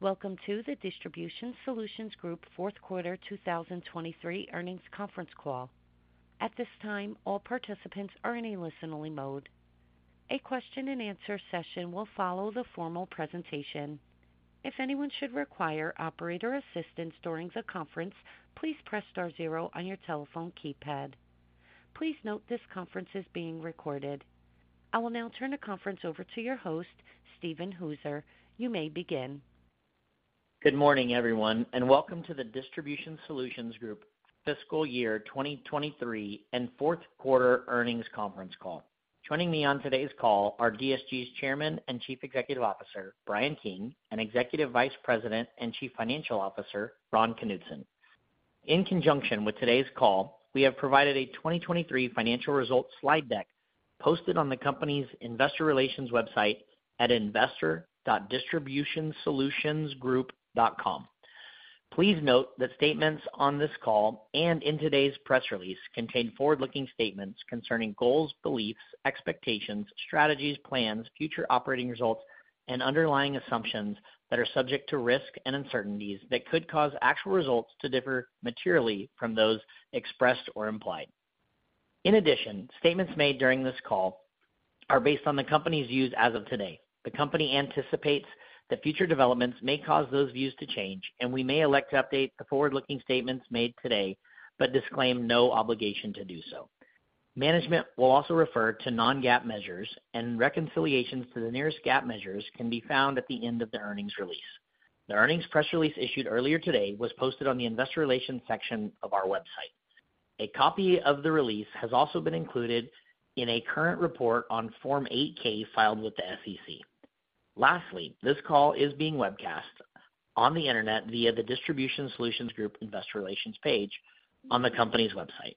Welcome to the Distribution Solutions Group fourth quarter 2023 earnings conference call. At this time, all participants are in a listen-only mode. A question-and-answer session will follow the formal presentation. If anyone should require operator assistance during the conference, please press star zero on your telephone keypad. Please note this conference is being recorded. I will now turn the conference over to your host, Steven Hooser. You may begin. Good morning, everyone, and welcome to the Distribution Solutions Group fiscal year 2023 and fourth quarter earnings conference call. Joining me on today's call are DSG's Chairman and Chief Executive Officer, Bryan King, and Executive Vice President and Chief Financial Officer, Ron Knutson. In conjunction with today's call, we have provided a 2023 financial results slide deck posted on the company's investor relations website at investor.distributionsolutionsgroup.com. Please note that statements on this call and in today's press release contain forward-looking statements concerning goals, beliefs, expectations, strategies, plans, future operating results, and underlying assumptions that are subject to risk and uncertainties that could cause actual results to differ materially from those expressed or implied. In addition, statements made during this call are based on the company's views as of today. The company anticipates that future developments may cause those views to change, and we may elect to update the forward-looking statements made today but disclaim no obligation to do so. Management will also refer to non-GAAP measures, and reconciliations to the nearest GAAP measures can be found at the end of the earnings release. The earnings press release issued earlier today was posted on the investor relations section of our website. A copy of the release has also been included in a current report on Form 8-K filed with the SEC. Lastly, this call is being webcast on the internet via the Distribution Solutions Group investor relations page on the company's website.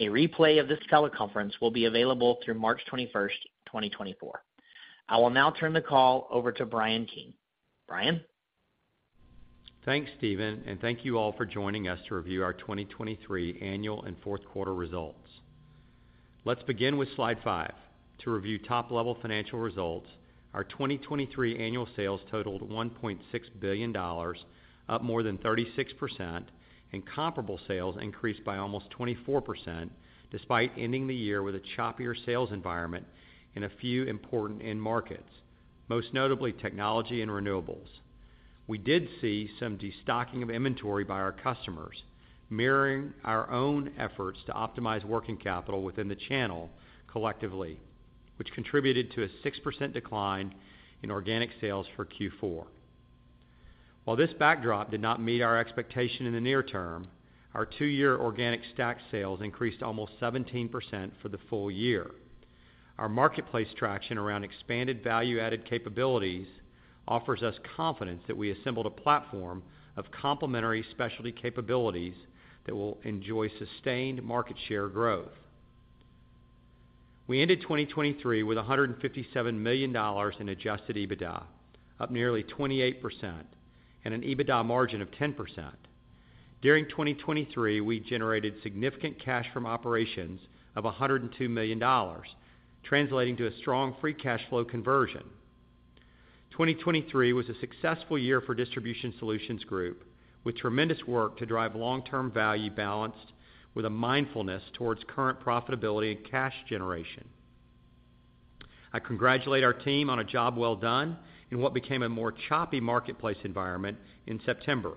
A replay of this teleconference will be available through March 21st, 2024. I will now turn the call over to Bryan King. Bryan? Thanks, Steven, and thank you all for joining us to review our 2023 annual and fourth quarter results. Let's begin with slide five. To review top-level financial results, our 2023 annual sales totaled $1.6 billion, up more than 36%, and comparable sales increased by almost 24% despite ending the year with a choppier sales environment in a few important end markets, most notably technology and renewables. We did see some destocking of inventory by our customers, mirroring our own efforts to optimize working capital within the channel collectively, which contributed to a 6% decline in organic sales for Q4. While this backdrop did not meet our expectation in the near term, our two-year organic stack sales increased almost 17% for the full year. Our marketplace traction around expanded value-added capabilities offers us confidence that we assembled a platform of complementary specialty capabilities that will enjoy sustained market share growth. We ended 2023 with $157 million in adjusted EBITDA, up nearly 28%, and an EBITDA margin of 10%. During 2023, we generated significant cash from operations of $102 million, translating to a strong free cash flow conversion. 2023 was a successful year for Distribution Solutions Group, with tremendous work to drive long-term value balanced with a mindfulness towards current profitability and cash generation. I congratulate our team on a job well done in what became a more choppy marketplace environment in September.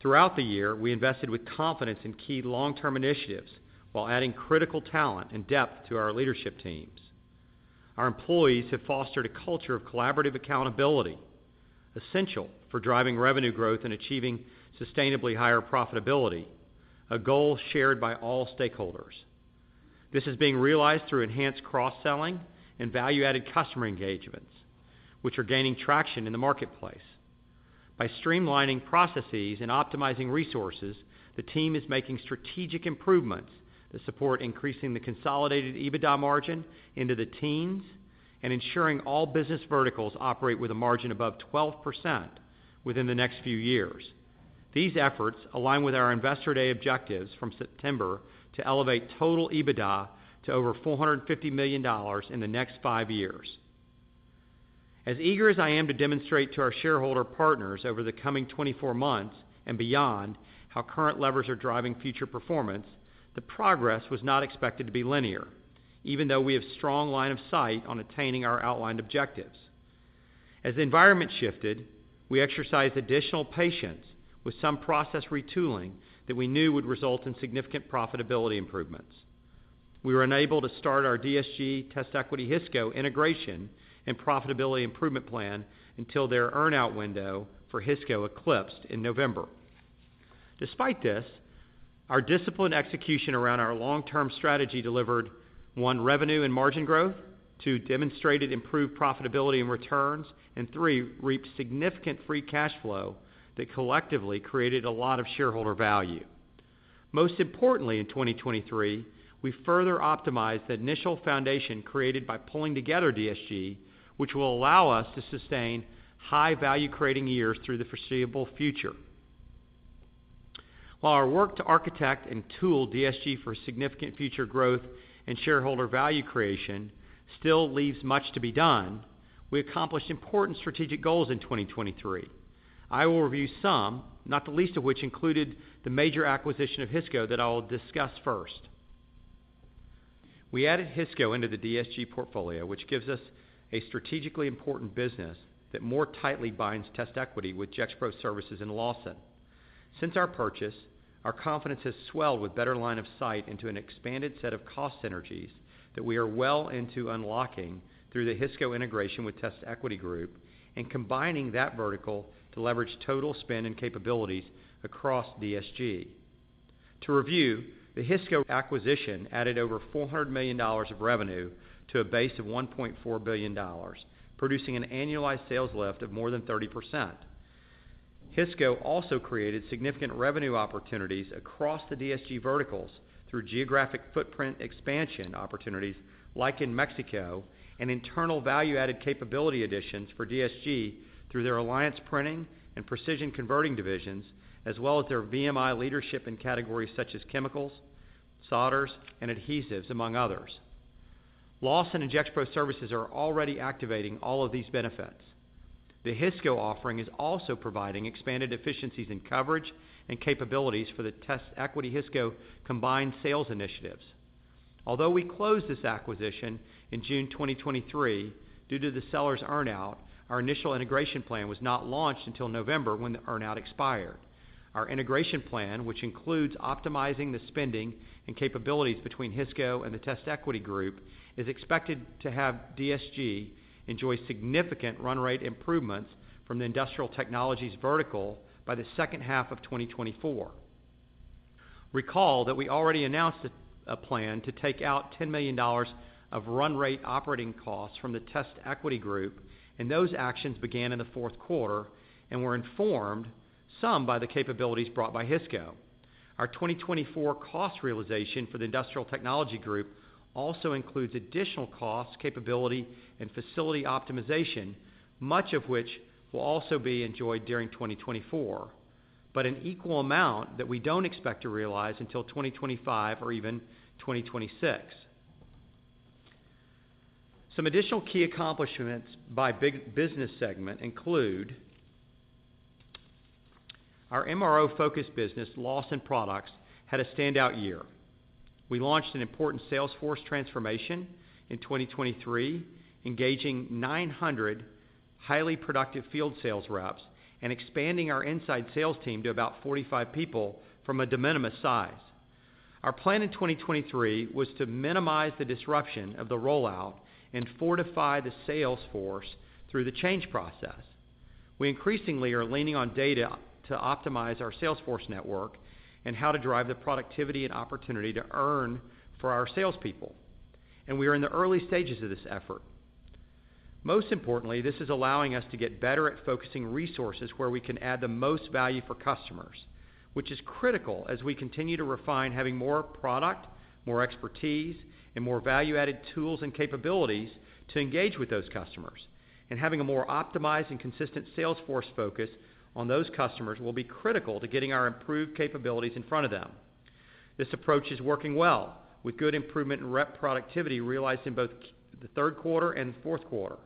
Throughout the year, we invested with confidence in key long-term initiatives while adding critical talent and depth to our leadership teams. Our employees have fostered a culture of collaborative accountability, essential for driving revenue growth and achieving sustainably higher profitability, a goal shared by all stakeholders. This is being realized through enhanced cross-selling and value-added customer engagements, which are gaining traction in the marketplace. By streamlining processes and optimizing resources, the team is making strategic improvements that support increasing the consolidated EBITDA margin into the teens and ensuring all business verticals operate with a margin above 12% within the next few years. These efforts align with our investor day objectives from September to elevate total EBITDA to over $450 million in the next five years. As eager as I am to demonstrate to our shareholder partners over the coming 24 months and beyond how current levers are driving future performance, the progress was not expected to be linear, even though we have strong line of sight on attaining our outlined objectives. As the environment shifted, we exercised additional patience with some process retooling that we knew would result in significant profitability improvements. We were unable to start our DSG, TestEquity, Hisco integration and profitability improvement plan until their earn-out window for Hisco eclipsed in November. Despite this, our disciplined execution around our long-term strategy delivered one, revenue and margin growth. Two, demonstrated improved profitability and returns. And three, reaped significant free cash flow that collectively created a lot of shareholder value. Most importantly, in 2023, we further optimized the initial foundation created by pulling together DSG, which will allow us to sustain high-value-creating years through the foreseeable future. While our work to architect and tool DSG for significant future growth and shareholder value creation still leaves much to be done, we accomplished important strategic goals in 2023. I will review some, not the least of which included the major acquisition of Hisco that I will discuss first. We added Hisco into the DSG portfolio, which gives us a strategically important business that more tightly binds TestEquity with Gexpro Services and Lawson. Since our purchase, our confidence has swelled with better line of sight into an expanded set of cost synergies that we are well into unlocking through the Hisco integration with TestEquity Group and combining that vertical to leverage total spend and capabilities across DSG. To review, the Hisco acquisition added over $400 million of revenue to a base of $1.4 billion, producing an annualized sales lift of more than 30%. Hisco also created significant revenue opportunities across the DSG verticals through geographic footprint expansion opportunities like in Mexico and internal value-added capability additions for DSG through their Alliance Printing and Precision Converting divisions, as well as their VMI leadership in categories such as chemicals, solders, and adhesives, among others. Lawson and Gexpro Services are already activating all of these benefits. The Hisco offering is also providing expanded efficiencies in coverage and capabilities for the TestEquity Hisco combined sales initiatives. Although we closed this acquisition in June 2023 due to the seller's earn-out, our initial integration plan was not launched until November when the earn-out expired. Our integration plan, which includes optimizing the spending and capabilities between Hisco and the TestEquity group, is expected to have DSG enjoy significant run-rate improvements from the industrial technologies vertical by the second half of 2024. Recall that we already announced a plan to take out $10 million of run-rate operating costs from the TestEquity group, and those actions began in the fourth quarter and were informed, some by the capabilities brought by Hisco. Our 2024 cost realization for the industrial technology group also includes additional costs, capability, and facility optimization, much of which will also be enjoyed during 2024, but an equal amount that we don't expect to realize until 2025 or even 2026. Some additional key accomplishments by business segment include our MRO-focused business, Lawson Products, had a standout year. We launched an important sales force transformation in 2023, engaging 900 highly productive field sales reps and expanding our inside sales team to about 45 people from a de minimis size. Our plan in 2023 was to minimize the disruption of the rollout and fortify the sales force through the change process. We increasingly are leaning on data to optimize our sales force network and how to drive the productivity and opportunity to earn for our salespeople, and we are in the early stages of this effort. Most importantly, this is allowing us to get better at focusing resources where we can add the most value for customers, which is critical as we continue to refine having more product, more expertise, and more value-added tools and capabilities to engage with those customers. And having a more optimized and consistent sales force focus on those customers will be critical to getting our improved capabilities in front of them. This approach is working well, with good improvement in rep productivity realized in both the third quarter and the fourth quarter.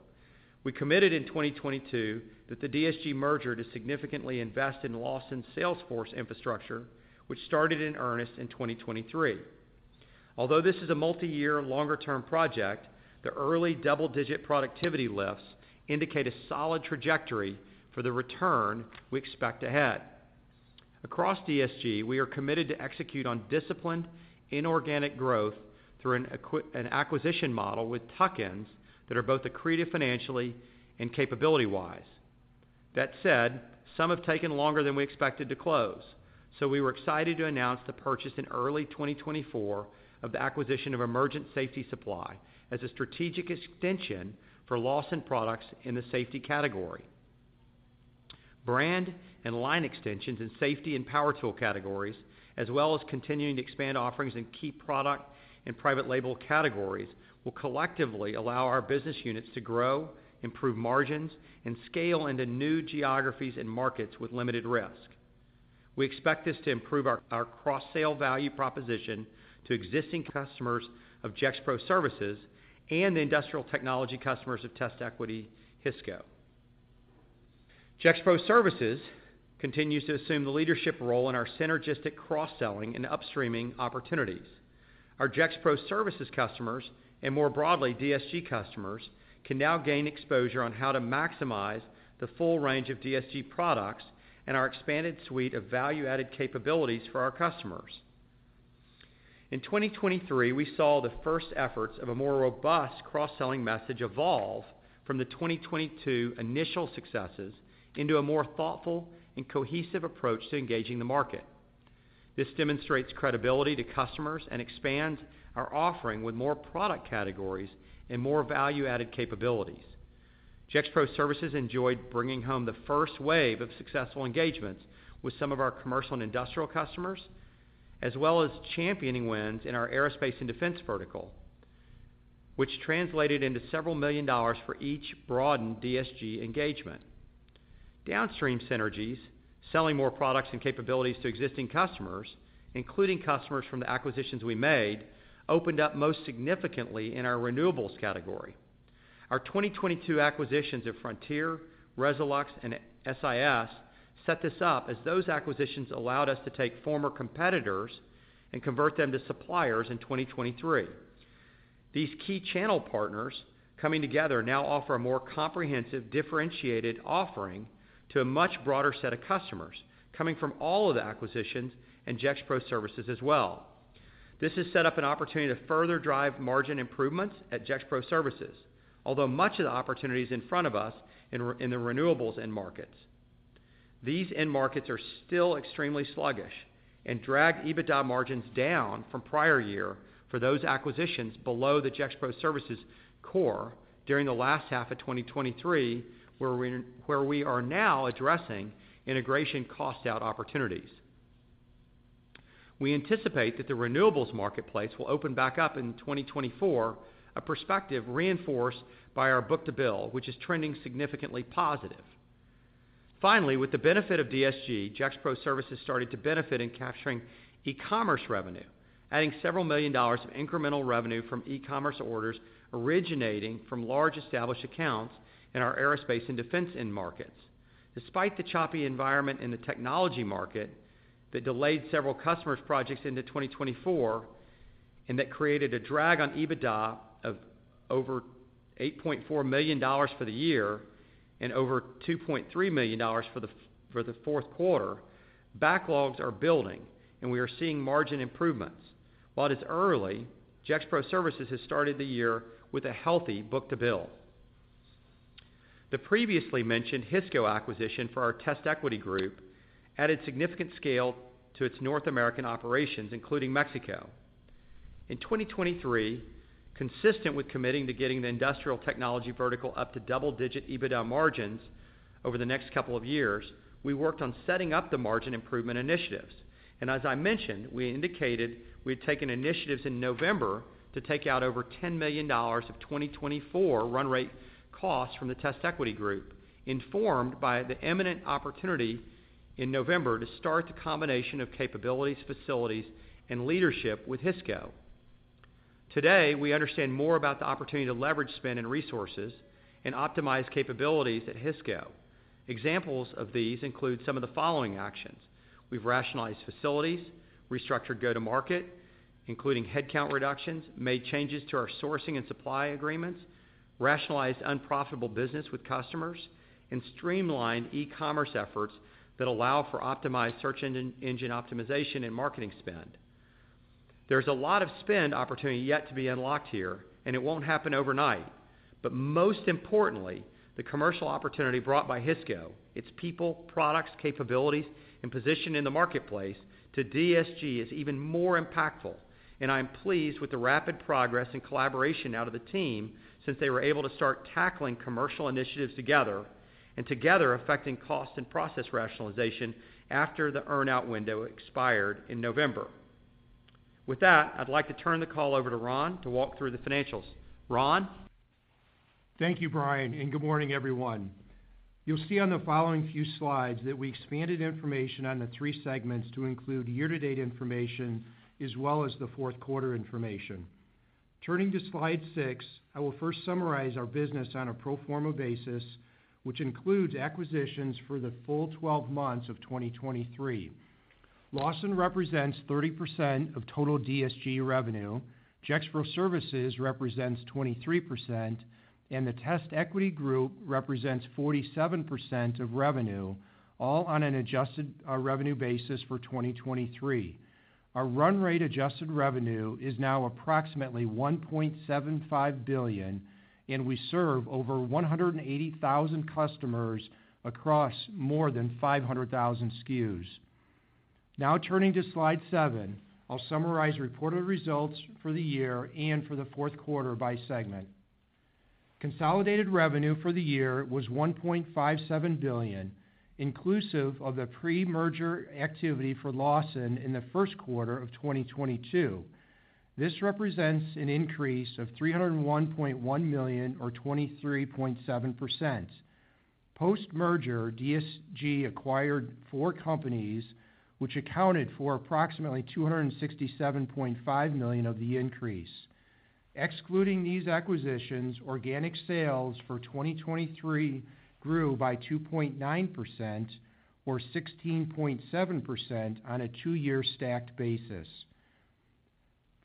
We committed in 2022 that the DSG merger to significantly invest in Lawson's sales force infrastructure, which started in earnest in 2023. Although this is a multi-year, longer-term project, the early double-digit productivity lifts indicate a solid trajectory for the return we expect ahead. Across DSG, we are committed to execute on disciplined inorganic growth through an acquisition model with tuck-ins that are both accretive financially and capability-wise. That said, some have taken longer than we expected to close, so we were excited to announce the purchase in early 2024 of the acquisition of Emergent Safety Supply as a strategic extension for Lawson Products in the safety category. Brand and line extensions in safety and power tool categories, as well as continuing to expand offerings in key product and private label categories, will collectively allow our business units to grow, improve margins, and scale into new geographies and markets with limited risk. We expect this to improve our cross-sale value proposition to existing customers of Gexpro Services and the industrial technology customers of TestEquity Hisco. Gexpro Services continues to assume the leadership role in our synergistic cross-selling and upstreaming opportunities. Our Gexpro Services customers and, more broadly, DSG customers can now gain exposure on how to maximize the full range of DSG products and our expanded suite of value-added capabilities for our customers. In 2023, we saw the first efforts of a more robust cross-selling message evolve from the 2022 initial successes into a more thoughtful and cohesive approach to engaging the market. This demonstrates credibility to customers and expands our offering with more product categories and more value-added capabilities. Gexpro Services enjoyed bringing home the first wave of successful engagements with some of our commercial and industrial customers, as well as championing wins in our aerospace and defense vertical, which translated into several million dollars for each broadened DSG engagement. Downstream synergies, selling more products and capabilities to existing customers, including customers from the acquisitions we made, opened up most significantly in our renewables category. Our 2022 acquisitions of Frontier, Resolux, and SIS set this up as those acquisitions allowed us to take former competitors and convert them to suppliers in 2023. These key channel partners coming together now offer a more comprehensive, differentiated offering to a much broader set of customers coming from all of the acquisitions and Gexpro Services as well. This has set up an opportunity to further drive margin improvements at Gexpro Services, although much of the opportunity is in front of us in the renewables end markets. These end markets are still extremely sluggish and drag EBITDA margins down from prior year for those acquisitions below the Gexpro Services core during the last half of 2023, where we are now addressing integration cost-out opportunities. We anticipate that the renewables marketplace will open back up in 2024, a perspective reinforced by our book-to-bill, which is trending significantly positive. Finally, with the benefit of DSG, Gexpro Services started to benefit in capturing e-commerce revenue, adding several million dollars of incremental revenue from e-commerce orders originating from large established accounts in our aerospace and defense end markets. Despite the choppy environment in the technology market that delayed several customers' projects into 2024 and that created a drag on EBITDA of over $8.4 million for the year and over $2.3 million for the fourth quarter, backlogs are building, and we are seeing margin improvements. While it is early, Gexpro Services has started the year with a healthy book-to-bill. The previously mentioned Hisco acquisition for our TestEquity group added significant scale to its North American operations, including Mexico. In 2023, consistent with committing to getting the industrial technology vertical up to double-digit EBITDA margins over the next couple of years, we worked on setting up the margin improvement initiatives. And as I mentioned, we indicated we had taken initiatives in November to take out over $10 million of 2024 run-rate costs from the TestEquity Group, informed by the imminent opportunity in November to start the combination of capabilities, facilities, and leadership with Hisco. Today, we understand more about the opportunity to leverage spend and resources and optimize capabilities at Hisco. Examples of these include some of the following actions. We've rationalized facilities, restructured go-to-market, including headcount reductions, made changes to our sourcing and supply agreements, rationalized unprofitable business with customers, and streamlined e-commerce efforts that allow for optimized search engine optimization and marketing spend. There's a lot of spend opportunity yet to be unlocked here, and it won't happen overnight. But most importantly, the commercial opportunity brought by Hisco, its people, products, capabilities, and position in the marketplace to DSG is even more impactful. I am pleased with the rapid progress and collaboration out of the team since they were able to start tackling commercial initiatives together and together affecting cost and process rationalization after the earn-out window expired in November. With that, I'd like to turn the call over to Ron to walk through the financials. Ron? Thank you, Bryan, and good morning, everyone. You'll see on the following few slides that we expanded information on the three segments to include year-to-date information as well as the fourth quarter information. Turning to slide six, I will first summarize our business on a pro forma basis, which includes acquisitions for the full 12 months of 2023. Lawson represents 30% of total DSG revenue. Gexpro Services represents 23%, and the TestEquity Group represents 47% of revenue, all on an adjusted revenue basis for 2023. Our run-rate adjusted revenue is now approximately $1.75 billion, and we serve over 180,000 customers across more than 500,000 SKUs. Now turning to slide seven, I'll summarize reported results for the year and for the fourth quarter by segment. Consolidated revenue for the year was $1.57 billion, inclusive of the pre-merger activity for Lawson in the first quarter of 2022. This represents an increase of $301.1 million or 23.7%. Post-merger, DSG acquired four companies, which accounted for approximately $267.5 million of the increase. Excluding these acquisitions, organic sales for 2023 grew by 2.9% or 16.7% on a two-year stacked basis.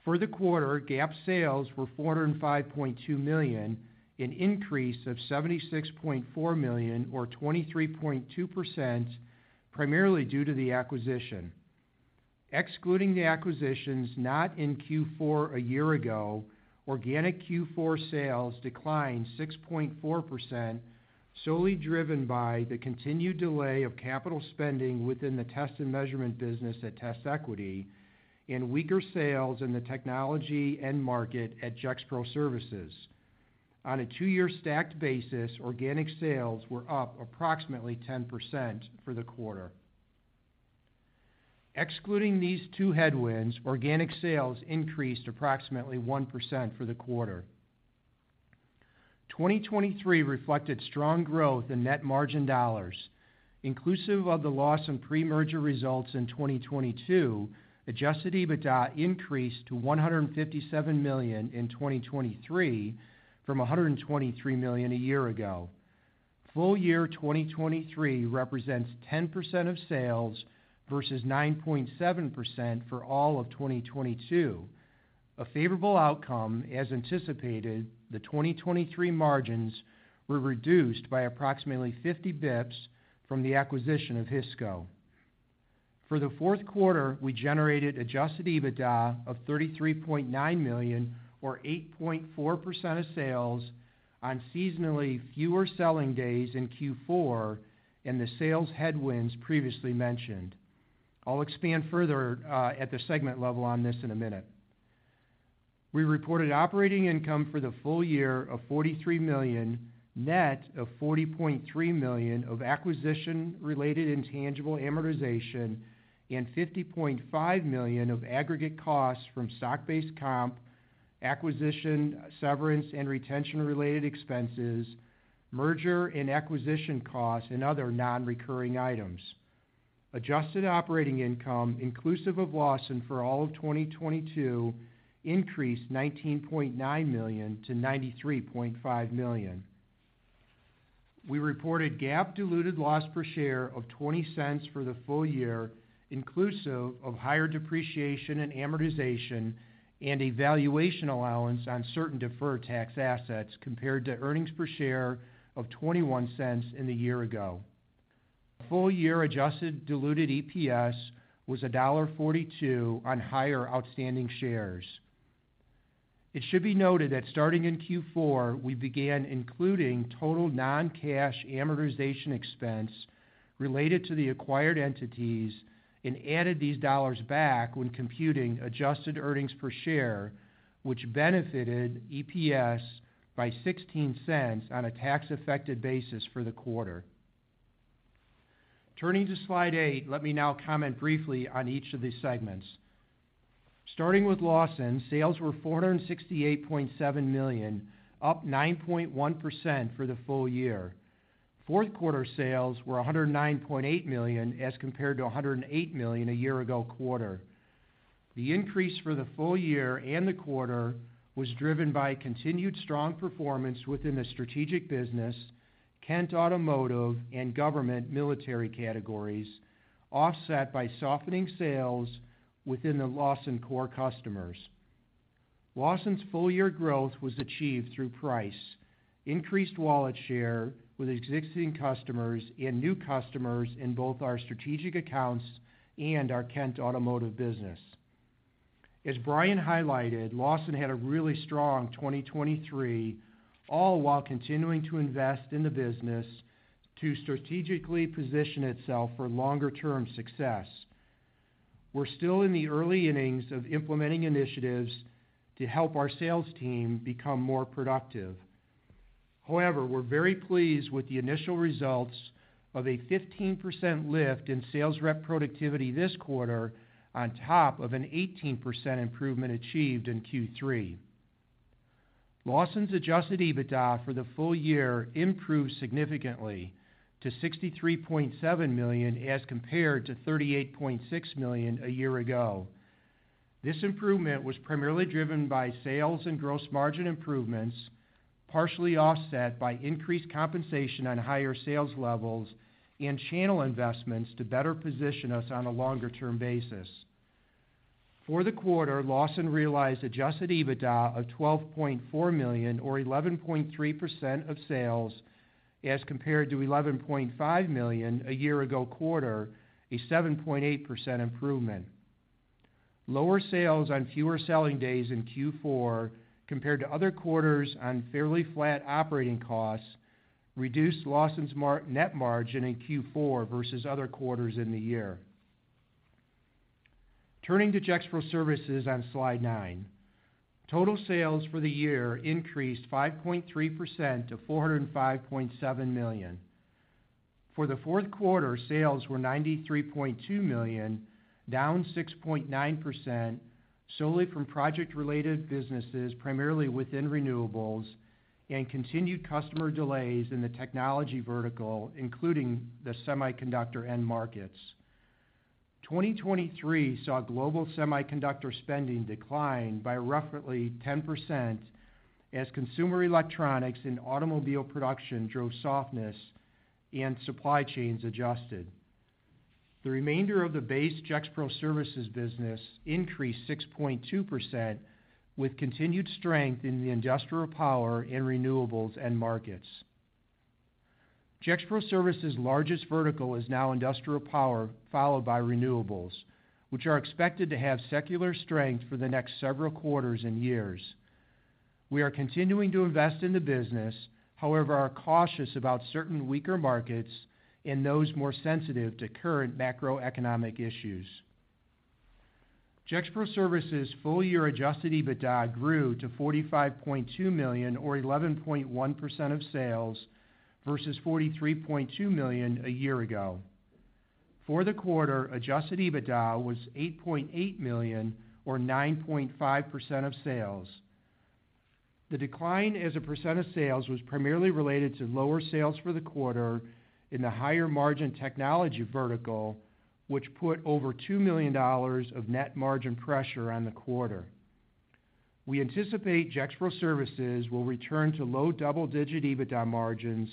For the quarter, GAAP sales were $405.2 million, an increase of $76.4 million or 23.2%, primarily due to the acquisition. Excluding the acquisitions not in Q4 a year ago, organic Q4 sales declined 6.4%, solely driven by the continued delay of capital spending within the test and measurement business at TestEquity and weaker sales in the technology end market at Gexpro Services. On a two-year stacked basis, organic sales were up approximately 10% for the quarter. Excluding these two headwinds, organic sales increased approximately 1% for the quarter. 2023 reflected strong growth in net margin dollars. Inclusive of the Lawson pre-merger results in 2022, adjusted EBITDA increased to $157 million in 2023 from $123 million a year ago. Full year 2023 represents 10% of sales versus 9.7% for all of 2022, a favorable outcome as anticipated. The 2023 margins were reduced by approximately 50 basis points from the acquisition of Hisco. For the fourth quarter, we generated adjusted EBITDA of $33.9 million or 8.4% of sales on seasonally fewer selling days in Q4 and the sales headwinds previously mentioned. I'll expand further at the segment level on this in a minute. We reported operating income for the full year of $43 million, net of $40.3 million of acquisition-related intangible amortization, and $50.5 million of aggregate costs from stock-based comp, acquisition severance, and retention-related expenses, merger and acquisition costs, and other non-recurring items. Adjusted operating income, inclusive of Lawson for all of 2022, increased $19.9 million to $93.5 million. We reported GAAP diluted loss per share of $0.20 for the full year, inclusive of higher depreciation and amortization and valuation allowance on certain deferred tax assets compared to earnings per share of $0.21 in the year-ago. Full year adjusted diluted EPS was $1.42 on higher outstanding shares. It should be noted that starting in Q4, we began including total non-cash amortization expense related to the acquired entities and added these dollars back when computing adjusted earnings per share, which benefited EPS by $0.16 on a tax-affected basis for the quarter. Turning to slide eight, let me now comment briefly on each of these segments. Starting with Lawson, sales were $468.7 million, up 9.1% for the full year. Fourth quarter sales were $109.8 million as compared to $108 million a year-ago quarter. The increase for the full year and the quarter was driven by continued strong performance within the strategic business, Kent Automotive, and government military categories, offset by softening sales within the Lawson core customers. Lawson's full year growth was achieved through price, increased wallet share with existing customers, and new customers in both our strategic accounts and our Kent Automotive business. As Bryan highlighted, Lawson had a really strong 2023, all while continuing to invest in the business to strategically position itself for longer-term success. We're still in the early innings of implementing initiatives to help our sales team become more productive. However, we're very pleased with the initial results of a 15% lift in sales productivity this quarter on top of an 18% improvement achieved in Q3. Lawson's Adjusted EBITDA for the full year improved significantly to $63.7 million as compared to $38.6 million a year ago. This improvement was primarily driven by sales and gross margin improvements, partially offset by increased compensation on higher sales levels and channel investments to better position us on a longer-term basis. For the quarter, Lawson realized adjusted EBITDA of $12.4 million or 11.3% of sales as compared to $11.5 million a year ago quarter, a 7.8% improvement. Lower sales on fewer selling days in Q4 compared to other quarters on fairly flat operating costs reduced Lawson's net margin in Q4 versus other quarters in the year. Turning to Gexpro Services on slide nine, total sales for the year increased 5.3% to $405.7 million. For the fourth quarter, sales were $93.2 million, down 6.9% solely from project-related businesses, primarily within renewables, and continued customer delays in the technology vertical, including the semiconductor end markets. 2023 saw global semiconductor spending decline by roughly 10% as consumer electronics and automobile production drove softness and supply chains adjusted. The remainder of the base Gexpro Services business increased 6.2% with continued strength in the industrial power and renewables end markets. Gexpro Services' largest vertical is now industrial power, followed by renewables, which are expected to have secular strength for the next several quarters and years. We are continuing to invest in the business. However, we are cautious about certain weaker markets and those more sensitive to current macroeconomic issues. Gexpro Services' full year Adjusted EBITDA grew to $45.2 million or 11.1% of sales versus $43.2 million a year ago. For the quarter, Adjusted EBITDA was $8.8 million or 9.5% of sales. The decline as a percent of sales was primarily related to lower sales for the quarter in the higher margin technology vertical, which put over $2 million of net margin pressure on the quarter. We anticipate Gexpro Services will return to low double-digit EBITDA margins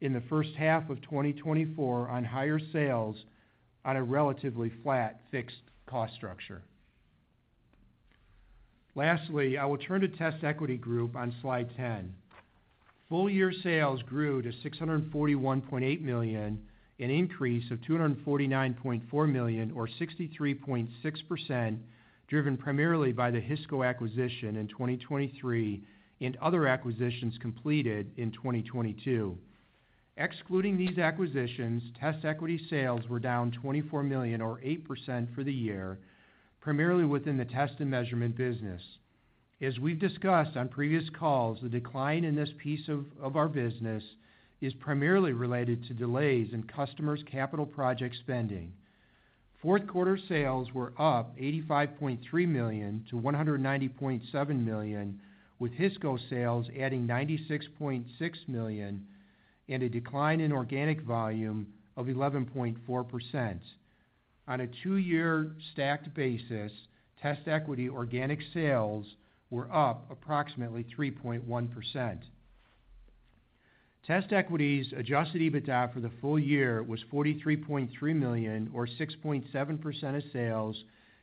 in the first half of 2024 on higher sales on a relatively flat fixed cost structure. Lastly, I will turn to TestEquity Group on slide 10. Full year sales grew to $641.8 million, an increase of $249.4 million or 63.6% driven primarily by the Hisco acquisition in 2023 and other acquisitions completed in 2022. Excluding these acquisitions, TestEquity sales were down $24 million or 8% for the year, primarily within the test and measurement business. As we've discussed on previous calls, the decline in this piece of our business is primarily related to delays in customers' capital project spending. Fourth quarter sales were up $85.3 million to $190.7 million, with Hisco sales adding $96.6 million and a decline in organic volume of 11.4%. On a two-year stacked basis, TestEquity organic sales were up approximately 3.1%. TestEquity's Adjusted EBITDA for the full year was $43.3 million or 6.7% of sales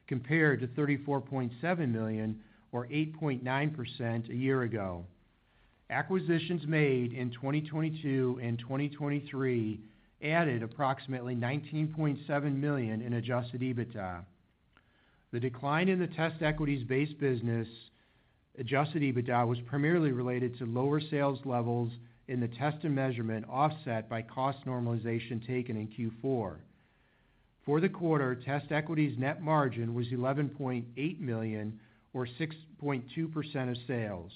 compared to $34.7 million or 8.9% a year ago. Acquisitions made in 2022 and 2023 added approximately $19.7 million in Adjusted EBITDA. The decline in the TestEquity base business Adjusted EBITDA was primarily related to lower sales levels in the test and measurement offset by cost normalization taken in Q4. For the quarter, TestEquity net margin was $11.8 million or 6.2% of sales.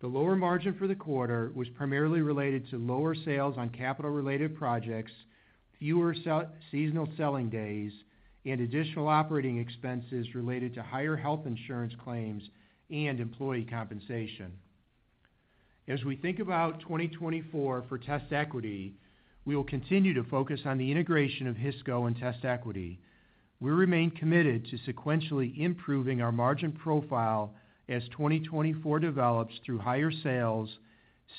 The lower margin for the quarter was primarily related to lower sales on capital-related projects, fewer seasonal selling days, and additional operating expenses related to higher health insurance claims and employee compensation. As we think about 2024 for TestEquity, we will continue to focus on the integration of Hisco and TestEquity. We remain committed to sequentially improving our margin profile as 2024 develops through higher sales,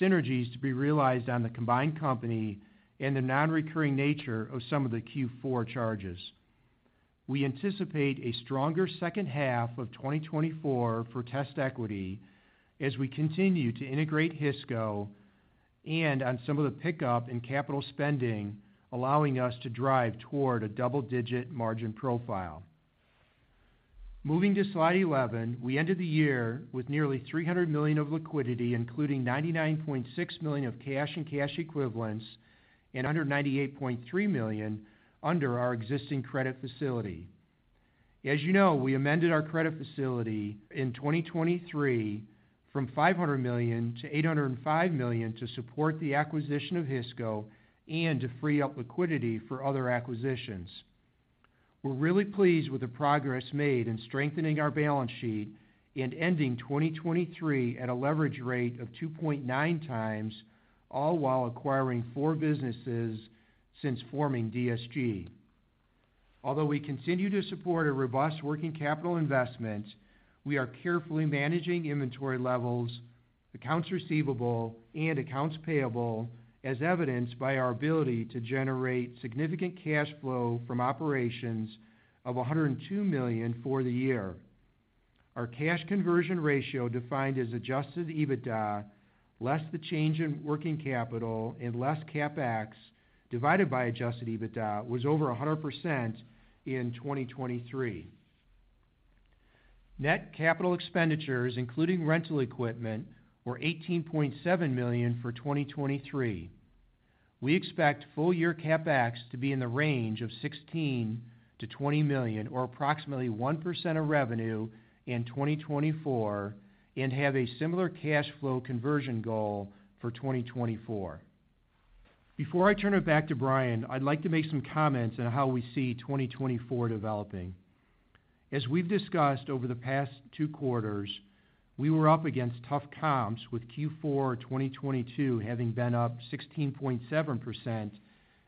synergies to be realized on the combined company, and the non-recurring nature of some of the Q4 charges. We anticipate a stronger second half of 2024 for TestEquity as we continue to integrate Hisco and on some of the pickup in capital spending, allowing us to drive toward a double-digit margin profile. Moving to slide 11, we ended the year with nearly $300 million of liquidity, including $99.6 million of cash and cash equivalents and $198.3 million under our existing credit facility. As you know, we amended our credit facility in 2023 from $500 million to $805 million to support the acquisition of Hisco and to free up liquidity for other acquisitions. We're really pleased with the progress made in strengthening our balance sheet and ending 2023 at a leverage rate of 2.9x, all while acquiring four businesses since forming DSG. Although we continue to support a robust working capital investment, we are carefully managing inventory levels, accounts receivable, and accounts payable, as evidenced by our ability to generate significant cash flow from operations of $102 million for the year. Our cash conversion ratio, defined as adjusted EBITDA, less the change in working capital and less Capex divided by adjusted EBITDA, was over 100% in 2023. Net capital expenditures, including rental equipment, were $18.7 million for 2023. We expect full year Capex to be in the range of $16 million-$20 million or approximately 1% of revenue in 2024 and have a similar cash flow conversion goal for 2024. Before I turn it back to Bryan, I'd like to make some comments on how we see 2024 developing. As we've discussed over the past two quarters, we were up against tough comps, with Q4 2022 having been up 16.7%,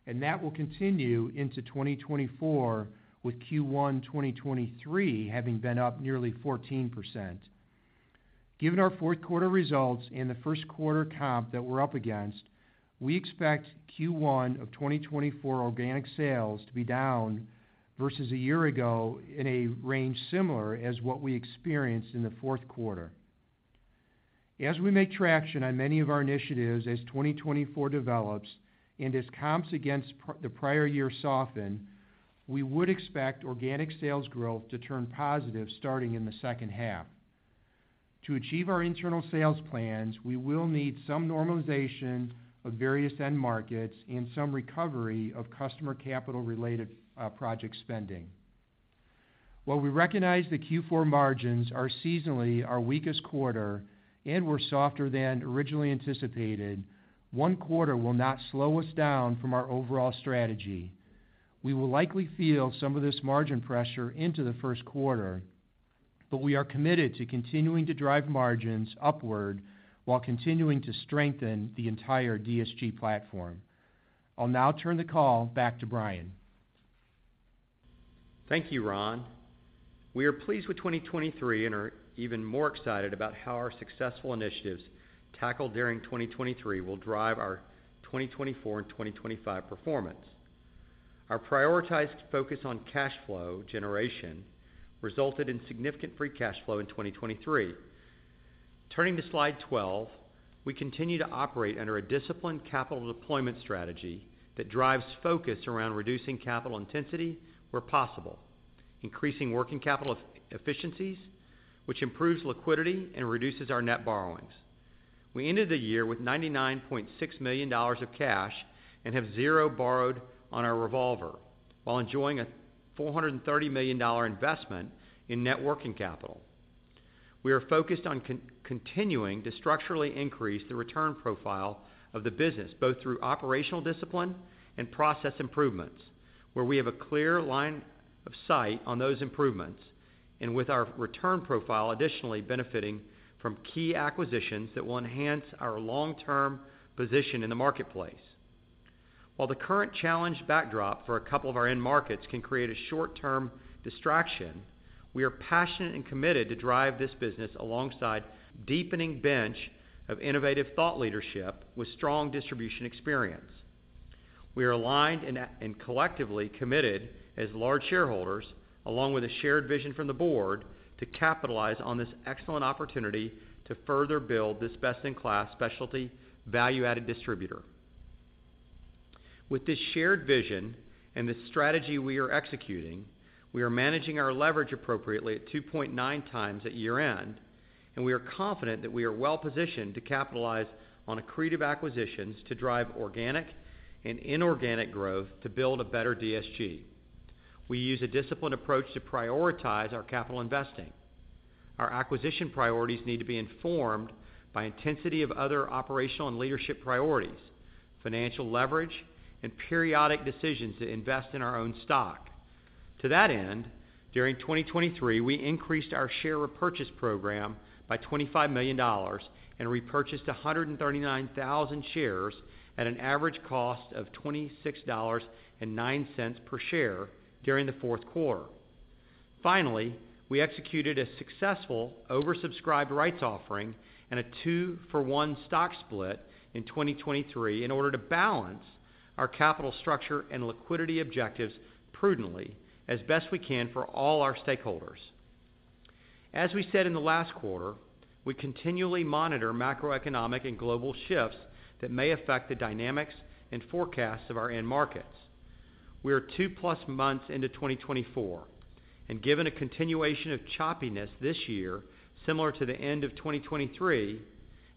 and that will continue into 2024 with Q1 2023 having been up nearly 14%. Given our fourth quarter results and the first quarter comp that we're up against, we expect Q1 of 2024 organic sales to be down versus a year ago in a range similar as what we experienced in the fourth quarter. As we make traction on many of our initiatives as 2024 develops and as comps against the prior year soften, we would expect organic sales growth to turn positive starting in the second half. To achieve our internal sales plans, we will need some normalization of various end markets and some recovery of customer capital-related project spending. While we recognize that Q4 margins are seasonally our weakest quarter and were softer than originally anticipated, one quarter will not slow us down from our overall strategy. We will likely feel some of this margin pressure into the first quarter, but we are committed to continuing to drive margins upward while continuing to strengthen the entire DSG platform. I'll now turn the call back to Bryan. Thank you, Ron. We are pleased with 2023 and are even more excited about how our successful initiatives tackled during 2023 will drive our 2024 and 2025 performance. Our prioritized focus on cash flow generation resulted in significant free cash flow in 2023. Turning to slide 12, we continue to operate under a disciplined capital deployment strategy that drives focus around reducing capital intensity where possible, increasing working capital efficiencies, which improves liquidity and reduces our net borrowings. We ended the year with $99.6 million of cash and have zero borrowed on our revolver while enjoying a $430 million investment in net working capital. We are focused on continuing to structurally increase the return profile of the business both through operational discipline and process improvements, where we have a clear line of sight on those improvements and with our return profile additionally benefiting from key acquisitions that will enhance our long-term position in the marketplace. While the current challenge backdrop for a couple of our end markets can create a short-term distraction, we are passionate and committed to drive this business alongside a deepening bench of innovative thought leadership with strong distribution experience. We are aligned and collectively committed as large shareholders, along with a shared vision from the board, to capitalize on this excellent opportunity to further build this best-in-class specialty value-added distributor. With this shared vision and the strategy we are executing, we are managing our leverage appropriately at 2.9x at year-end, and we are confident that we are well positioned to capitalize on accretive acquisitions to drive organic and inorganic growth to build a better DSG. We use a disciplined approach to prioritize our capital investing. Our acquisition priorities need to be informed by intensity of other operational and leadership priorities, financial leverage, and periodic decisions to invest in our own stock. To that end, during 2023, we increased our share repurchase program by $25 million and repurchased 139,000 shares at an average cost of $26.09 per share during the fourth quarter. Finally, we executed a successful oversubscribed rights offering and a 2-for-1 stock split in 2023 in order to balance our capital structure and liquidity objectives prudently as best we can for all our stakeholders. As we said in the last quarter, we continually monitor macroeconomic and global shifts that may affect the dynamics and forecasts of our end markets. We are two-plus months into 2024, and given a continuation of choppiness this year similar to the end of 2023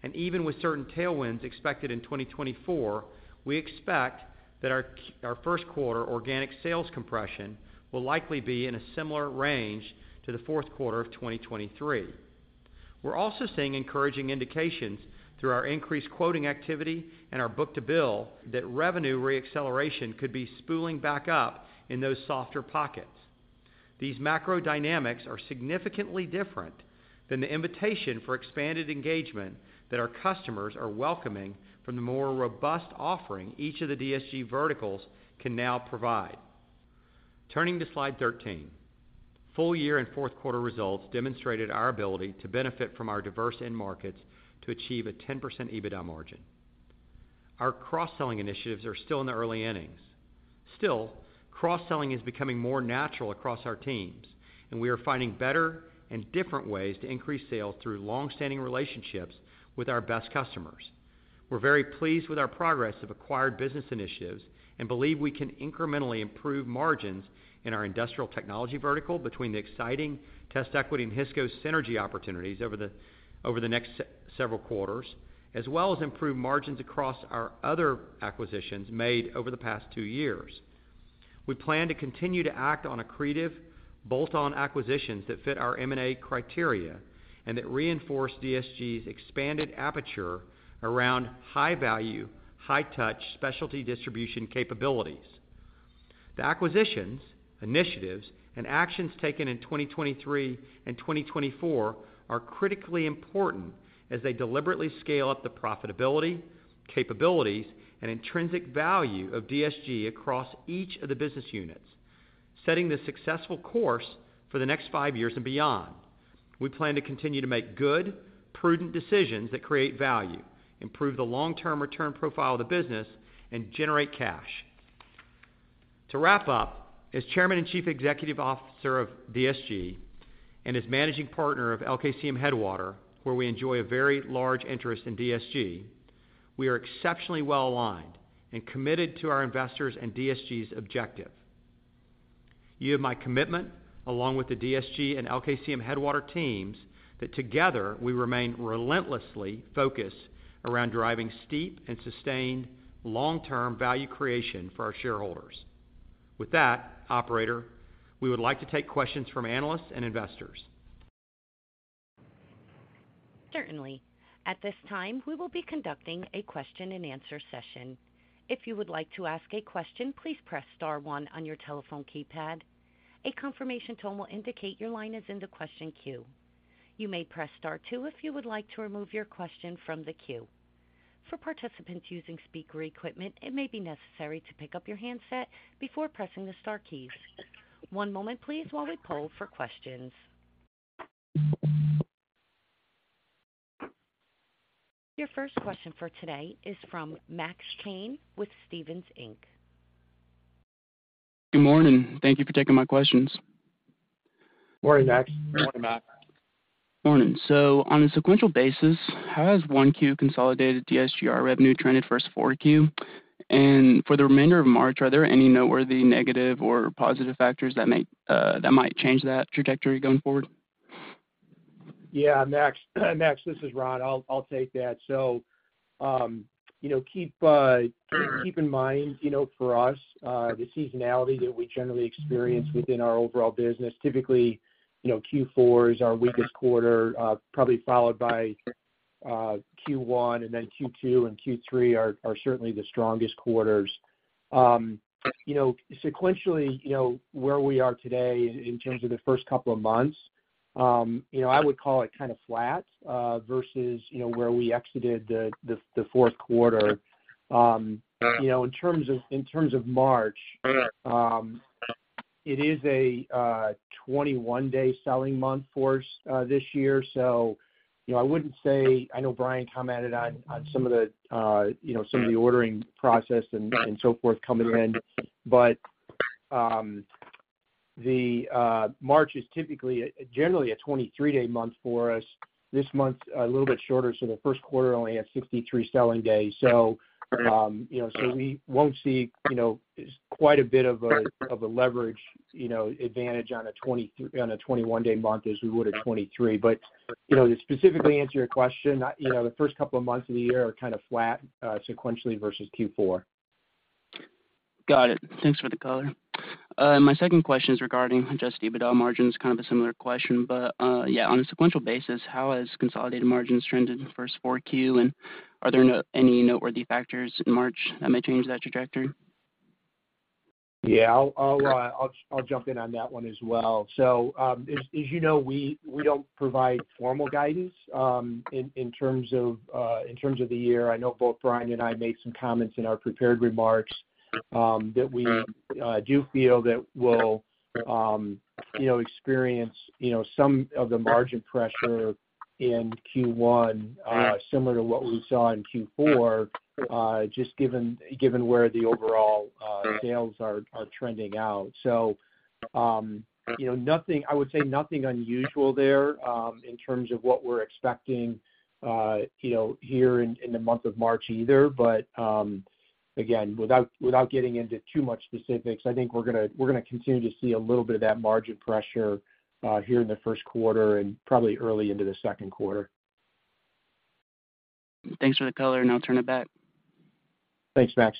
and even with certain tailwinds expected in 2024, we expect that our first quarter organic sales compression will likely be in a similar range to the fourth quarter of 2023. We're also seeing encouraging indications through our increased quoting activity and our book-to-bill. That revenue reacceleration could be spooling back up in those softer pockets. These macro dynamics are significantly different than the invitation for expanded engagement that our customers are welcoming from the more robust offering each of the DSG verticals can now provide. Turning to slide 13, full year and fourth quarter results demonstrated our ability to benefit from our diverse end markets to achieve a 10% EBITDA margin. Our cross-selling initiatives are still in the early innings. Still, cross-selling is becoming more natural across our teams, and we are finding better and different ways to increase sales through longstanding relationships with our best customers. We're very pleased with our progress of acquired business initiatives and believe we can incrementally improve margins in our industrial technology vertical between the exciting TestEquity and Hisco synergy opportunities over the next several quarters, as well as improve margins across our other acquisitions made over the past two years. We plan to continue to act on accretive bolt-on acquisitions that fit our M&A criteria and that reinforce DSG's expanded aperture around high-value, high-touch specialty distribution capabilities. The acquisitions, initiatives, and actions taken in 2023 and 2024 are critically important as they deliberately scale up the profitability, capabilities, and intrinsic value of DSG across each of the business units, setting the successful course for the next five years and beyond. We plan to continue to make good, prudent decisions that create value, improve the long-term return profile of the business, and generate cash. To wrap up, as Chairman and Chief Executive Officer of DSG and as managing partner of LKCM Headwater, where we enjoy a very large interest in DSG, we are exceptionally well aligned and committed to our investors' and DSG's objective. You have my commitment, along with the DSG and LKCM Headwater teams, that together we remain relentlessly focused around driving steep and sustained long-term value creation for our shareholders. With that, operator, we would like to take questions from analysts and investors. Certainly. At this time, we will be conducting a question-and-answer session. If you would like to ask a question, please press star one on your telephone keypad. A confirmation tone will indicate your line is in the question queue. You may press star two if you would like to remove your question from the queue. For participants using speaker equipment, it may be necessary to pick up your handset before pressing the star keys. One moment, please, while we pull for questions. Your first question for today is from Max Kane with Stephens, Inc. Good morning. Thank you for taking my questions. Morning, Max. Morning, Max. Morning. So on a sequential basis, how has Q1 consolidated DSG revenue trended for its Q4? And for the remainder of March, are there any noteworthy negative or positive factors that might change that trajectory going forward? Yeah, Max. Max, this is Ron. I'll take that. So keep in mind for us, the seasonality that we generally experience within our overall business, typically Q4 is our weakest quarter, probably followed by Q1, and then Q2 and Q3 are certainly the strongest quarters. Sequentially, where we are today in terms of the first couple of months, I would call it kind of flat versus where we exited the fourth quarter. In terms of March, it is a 21-day selling month for us this year. So I wouldn't say I know Bryan commented on some of the ordering process and so forth coming in, but March is generally a 23-day month for us. This month's a little bit shorter, so the first quarter only had 63 selling days. So we won't see quite a bit of a leverage advantage on a 21-day month as we would at 23. But to specifically answer your question, the first couple of months of the year are kind of flat sequentially versus Q4. Got it. Thanks for the color. And my second question is regarding just EBITDA margins, kind of a similar question. But yeah, on a sequential basis, how has consolidated margins trended for its fourth quarter, and are there any noteworthy factors in March that may change that trajectory? Yeah, I'll jump in on that one as well. So as you know, we don't provide formal guidance in terms of the year. I know both Bryan and I made some comments in our prepared remarks that we do feel that we'll experience some of the margin pressure in Q1 similar to what we saw in Q4, just given where the overall sales are trending out. So I would say nothing unusual there in terms of what we're expecting here in the month of March either. But again, without getting into too much specifics, I think we're going to continue to see a little bit of that margin pressure here in the first quarter and probably early into the second quarter. Thanks for the color. I'll turn it back. Thanks, Max.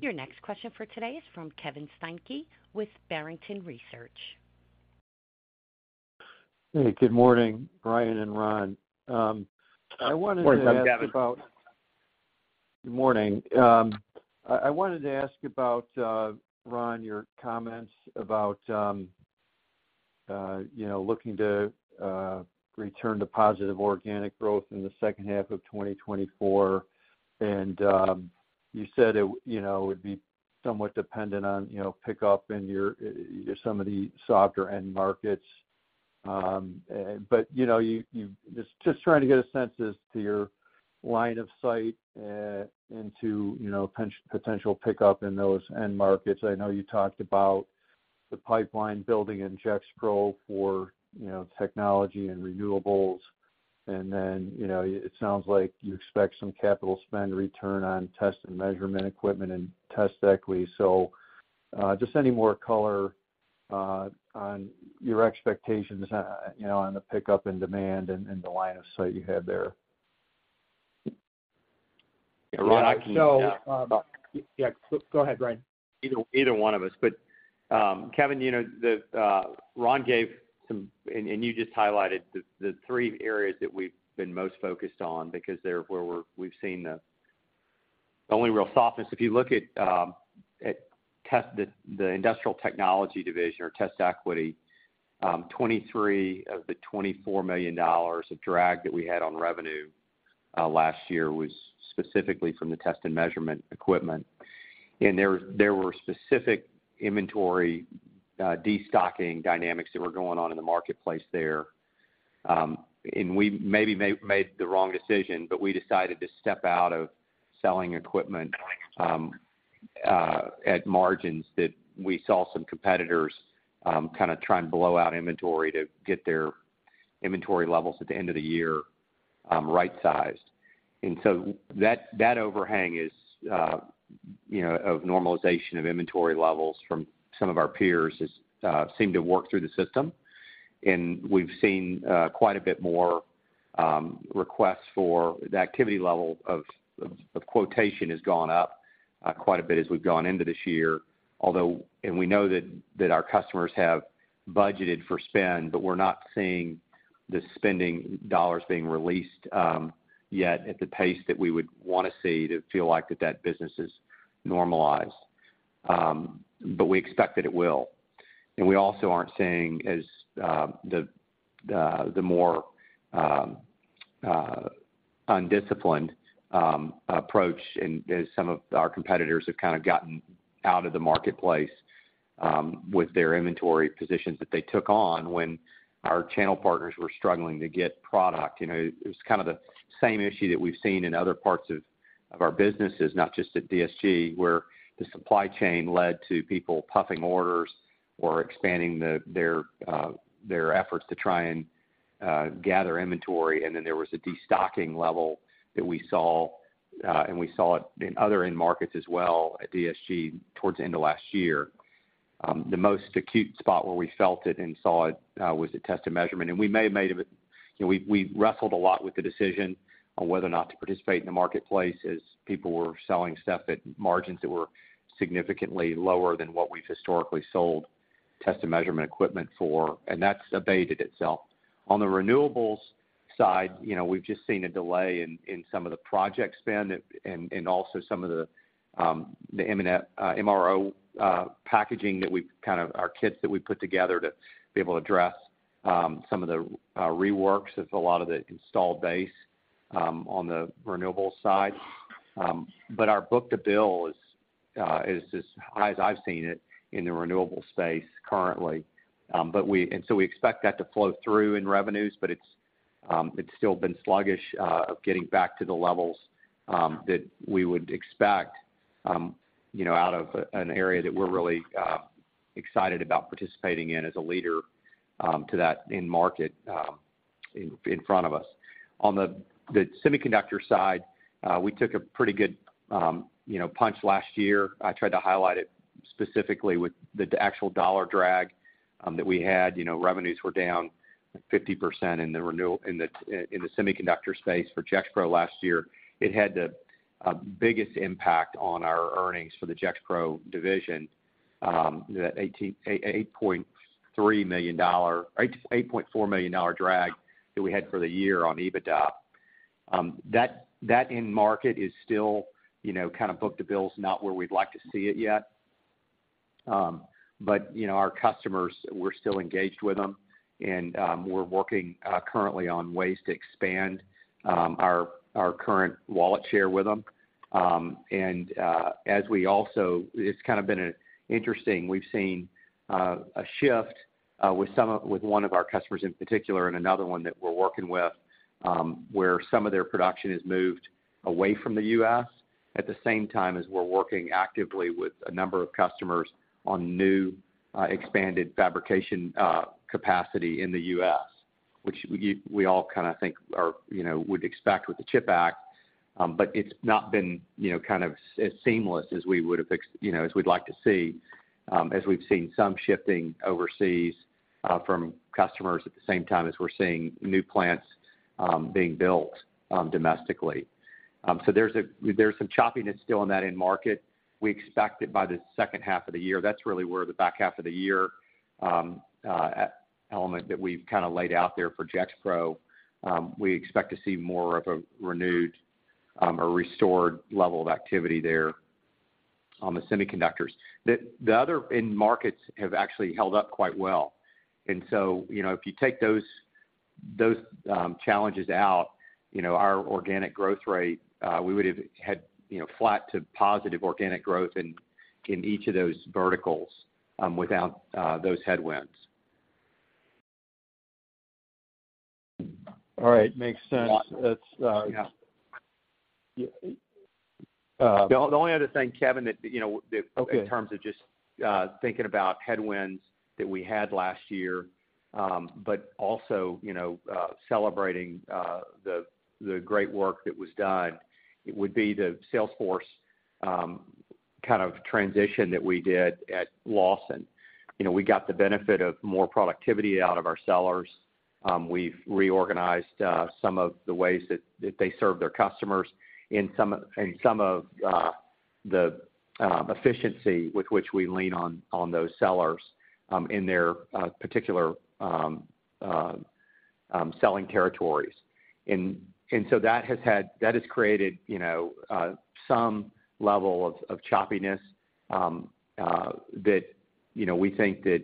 Your next question for today is from Kevin Steinke with Barrington Research. Hey, good morning, Bryan and Ron. I wanted to ask about. Morning, Kevin. Good morning. I wanted to ask about, Ron, your comments about looking to return to positive organic growth in the second half of 2024. You said it would be somewhat dependent on pickup in some of the softer end markets. But just trying to get a sense as to your line of sight into potential pickup in those end markets. I know you talked about the pipeline building in Gexpro for technology and renewables. And then it sounds like you expect some capital spend return on test and measurement equipment and TestEquity. So just any more color on your expectations on the pickup and demand and the line of sight you have there. Yeah, Ron, I can just. So yeah, go ahead, Bryan. Either one of us. But Kevin, Ron gave some and you just highlighted the three areas that we've been most focused on because they're where we've seen the only real softness. If you look at the industrial technology division or TestEquity, $23 million of the $24 million of drag that we had on revenue last year was specifically from the test and measurement equipment. And there were specific inventory destocking dynamics that were going on in the marketplace there. And we maybe made the wrong decision, but we decided to step out of selling equipment at margins that we saw some competitors kind of trying to blow out inventory to get their inventory levels at the end of the year right-sized. And so that overhang of normalization of inventory levels from some of our peers has seemed to work through the system. And we've seen quite a bit more requests for the activity level of quotation has gone up quite a bit as we've gone into this year, although and we know that our customers have budgeted for spend, but we're not seeing the spending dollars being released yet at the pace that we would want to see to feel like that that business is normalized. But we expect that it will. And we also aren't seeing as the more undisciplined approach and as some of our competitors have kind of gotten out of the marketplace with their inventory positions that they took on when our channel partners were struggling to get product. It was kind of the same issue that we've seen in other parts of our businesses, not just at DSG, where the supply chain led to people puffing orders or expanding their efforts to try and gather inventory. And then there was a destocking level that we saw, and we saw it in other end markets as well at DSG towards the end of last year. The most acute spot where we felt it and saw it was at test and measurement. And we wrestled a lot with the decision on whether or not to participate in the marketplace as people were selling stuff at margins that were significantly lower than what we've historically sold test and measurement equipment for. And that's abated itself. On the renewables side, we've just seen a delay in some of the project spend and also some of the MRO packaging that we've kind of our kits that we put together to be able to address some of the reworks of a lot of the installed base on the renewables side. Our book-to-bill is as high as I've seen it in the renewable space currently. So we expect that to flow through in revenues, but it's still been sluggish of getting back to the levels that we would expect out of an area that we're really excited about participating in as a leader to that end market in front of us. On the semiconductor side, we took a pretty good punch last year. I tried to highlight it specifically with the actual dollar drag that we had. Revenues were down 50% in the semiconductor space for Gexpro last year. It had the biggest impact on our earnings for the Gexpro division, that $8.4 million drag that we had for the year on EBITDA. That end market is still kind of book-to-bills, not where we'd like to see it yet. But our customers, we're still engaged with them, and we're working currently on ways to expand our current wallet share with them. And as we also it's kind of been an interesting we've seen a shift with one of our customers in particular and another one that we're working with where some of their production is moved away from the U.S. at the same time as we're working actively with a number of customers on new expanded fabrication capacity in the U.S., which we all kind of think would expect with the CHIPS Act. But it's not been kind of as seamless as we would have as we'd like to see, as we've seen some shifting overseas from customers at the same time as we're seeing new plants being built domestically. So there's some choppiness still in that end market. We expect that by the second half of the year, that's really where the back half of the year element that we've kind of laid out there for Gexpro, we expect to see more of a renewed or restored level of activity there on the semiconductors. The other end markets have actually held up quite well. And so if you take those challenges out, our organic growth rate, we would have had flat to positive organic growth in each of those verticals without those headwinds. All right. Makes sense. Yeah. The only other thing, Kevin, that in terms of just thinking about headwinds that we had last year, but also celebrating the great work that was done, it would be the sales force kind of transition that we did at Lawson. We got the benefit of more productivity out of our sellers. We've reorganized some of the ways that they serve their customers and some of the efficiency with which we lean on those sellers in their particular selling territories. And so that has created some level of choppiness that we think that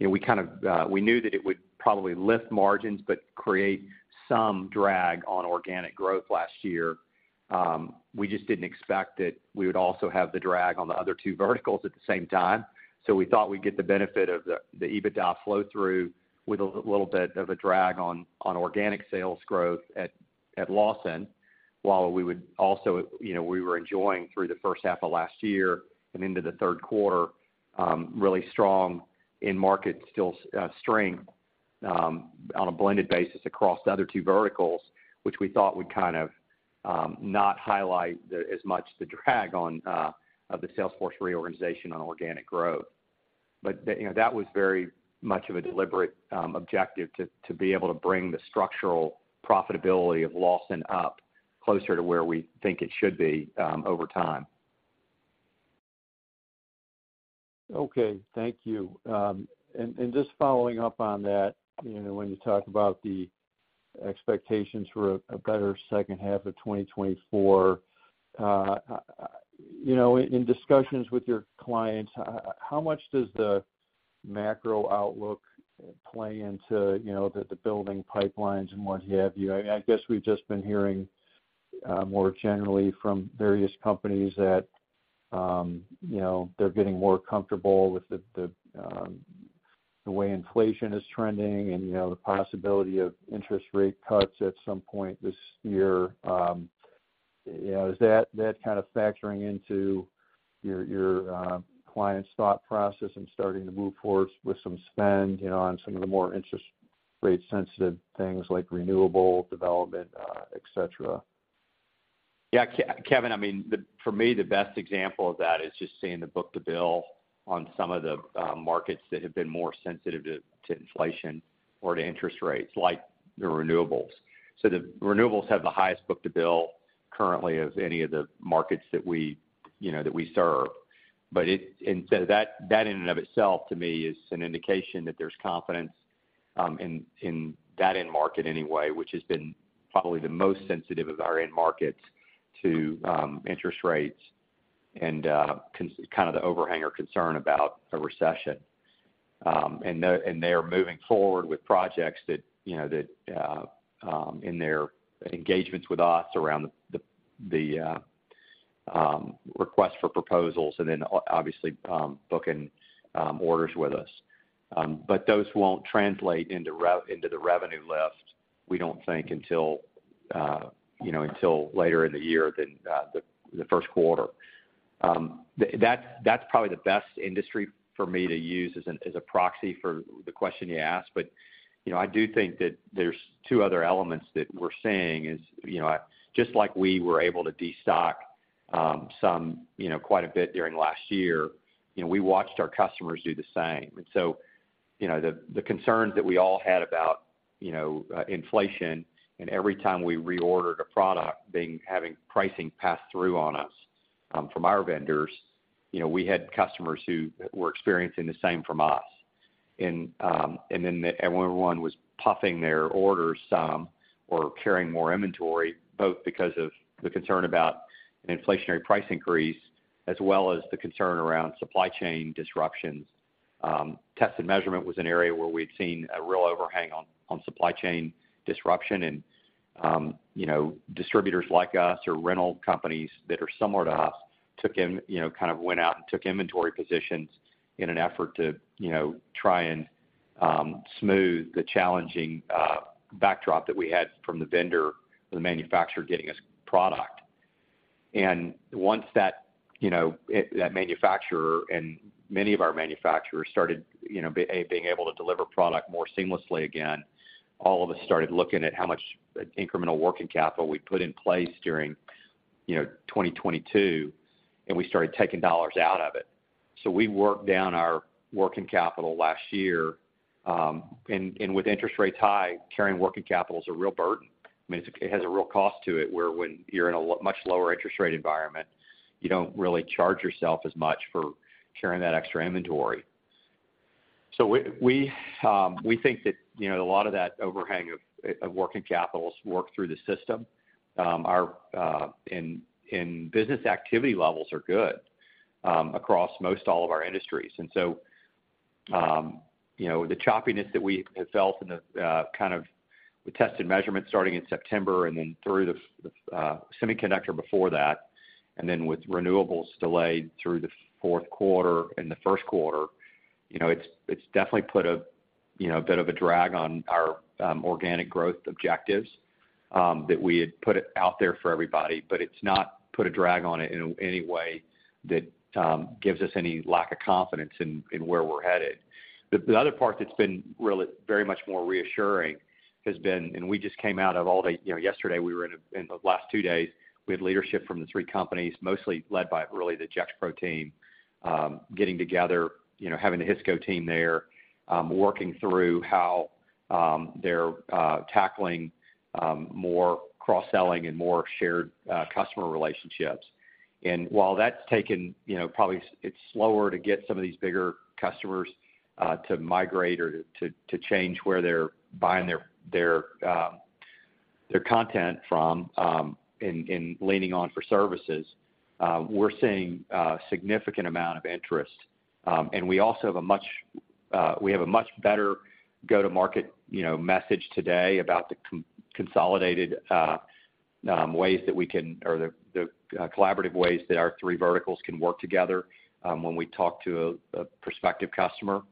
we kind of we knew that it would probably lift margins but create some drag on organic growth last year. We just didn't expect that we would also have the drag on the other two verticals at the same time. So we thought we'd get the benefit of the EBITDA flow-through with a little bit of a drag on organic sales growth at Lawson while we were enjoying through the first half of last year and into the third quarter really strong end market strength on a blended basis across the other two verticals, which we thought would kind of not highlight as much the drag of the sales force reorganization on organic growth. But that was very much of a deliberate objective to be able to bring the structural profitability of Lawson up closer to where we think it should be over time. Okay. Thank you. And just following up on that, when you talk about the expectations for a better second half of 2024, in discussions with your clients, how much does the macro outlook play into the building pipelines and what have you? I mean, I guess we've just been hearing more generally from various companies that they're getting more comfortable with the way inflation is trending and the possibility of interest rate cuts at some point this year. Is that kind of factoring into your clients' thought process and starting to move forward with some spend on some of the more interest rate-sensitive things like renewable development, etc.? Yeah. Kevin, I mean, for me, the best example of that is just seeing the book-to-bill on some of the markets that have been more sensitive to inflation or to interest rates like the renewables. So the renewables have the highest book-to-bill currently of any of the markets that we serve. And so that in and of itself, to me, is an indication that there's confidence in that end market anyway, which has been probably the most sensitive of our end markets to interest rates and kind of the overhang concern about a recession. And they are moving forward with projects that in their engagements with us around the request for proposals and then, obviously, booking orders with us. But those won't translate into the revenue lift, we don't think, until later in the year than the first quarter. That's probably the best industry for me to use as a proxy for the question you asked. But I do think that there's two other elements that we're seeing is just like we were able to destock quite a bit during last year, we watched our customers do the same. And so the concerns that we all had about inflation and every time we reordered a product having pricing pass through on us from our vendors, we had customers who were experiencing the same from us. And then everyone was puffing their orders some or carrying more inventory, both because of the concern about an inflationary price increase as well as the concern around supply chain disruptions. Test and measurement was an area where we'd seen a real overhang on supply chain disruption. Distributors like us or rental companies that are similar to us kind of went out and took inventory positions in an effort to try and smooth the challenging backdrop that we had from the vendor or the manufacturer getting us product. And once that manufacturer and many of our manufacturers started being able to deliver product more seamlessly again, all of us started looking at how much incremental working capital we'd put in place during 2022, and we started taking dollars out of it. So we worked down our working capital last year. And with interest rates high, carrying working capital is a real burden. I mean, it has a real cost to it where when you're in a much lower interest rate environment, you don't really charge yourself as much for carrying that extra inventory. So we think that a lot of that overhang of working capital has worked through the system. And business activity levels are good across most all of our industries. And so the choppiness that we have felt in the kind of with test and measurement starting in September and then through the semiconductor before that, and then with renewables delayed through the fourth quarter and the first quarter, it's definitely put a bit of a drag on our organic growth objectives that we had put it out there for everybody. But it's not put a drag on it in any way that gives us any lack of confidence in where we're headed. The other part that's been really very much more reassuring has been, and we just came out of all day yesterday. We were in the last two days. We had leadership from the three companies, mostly led by really the Gexpro team, getting together, having the Hisco team there, working through how they're tackling more cross-selling and more shared customer relationships. And while that's taken, probably it's slower to get some of these bigger customers to migrate or to change where they're buying their content from and leaning on for services, we're seeing a significant amount of interest. And we also have a much better go-to-market message today about the consolidated ways that we can or the collaborative ways that our three verticals can work together when we talk to a prospective customer.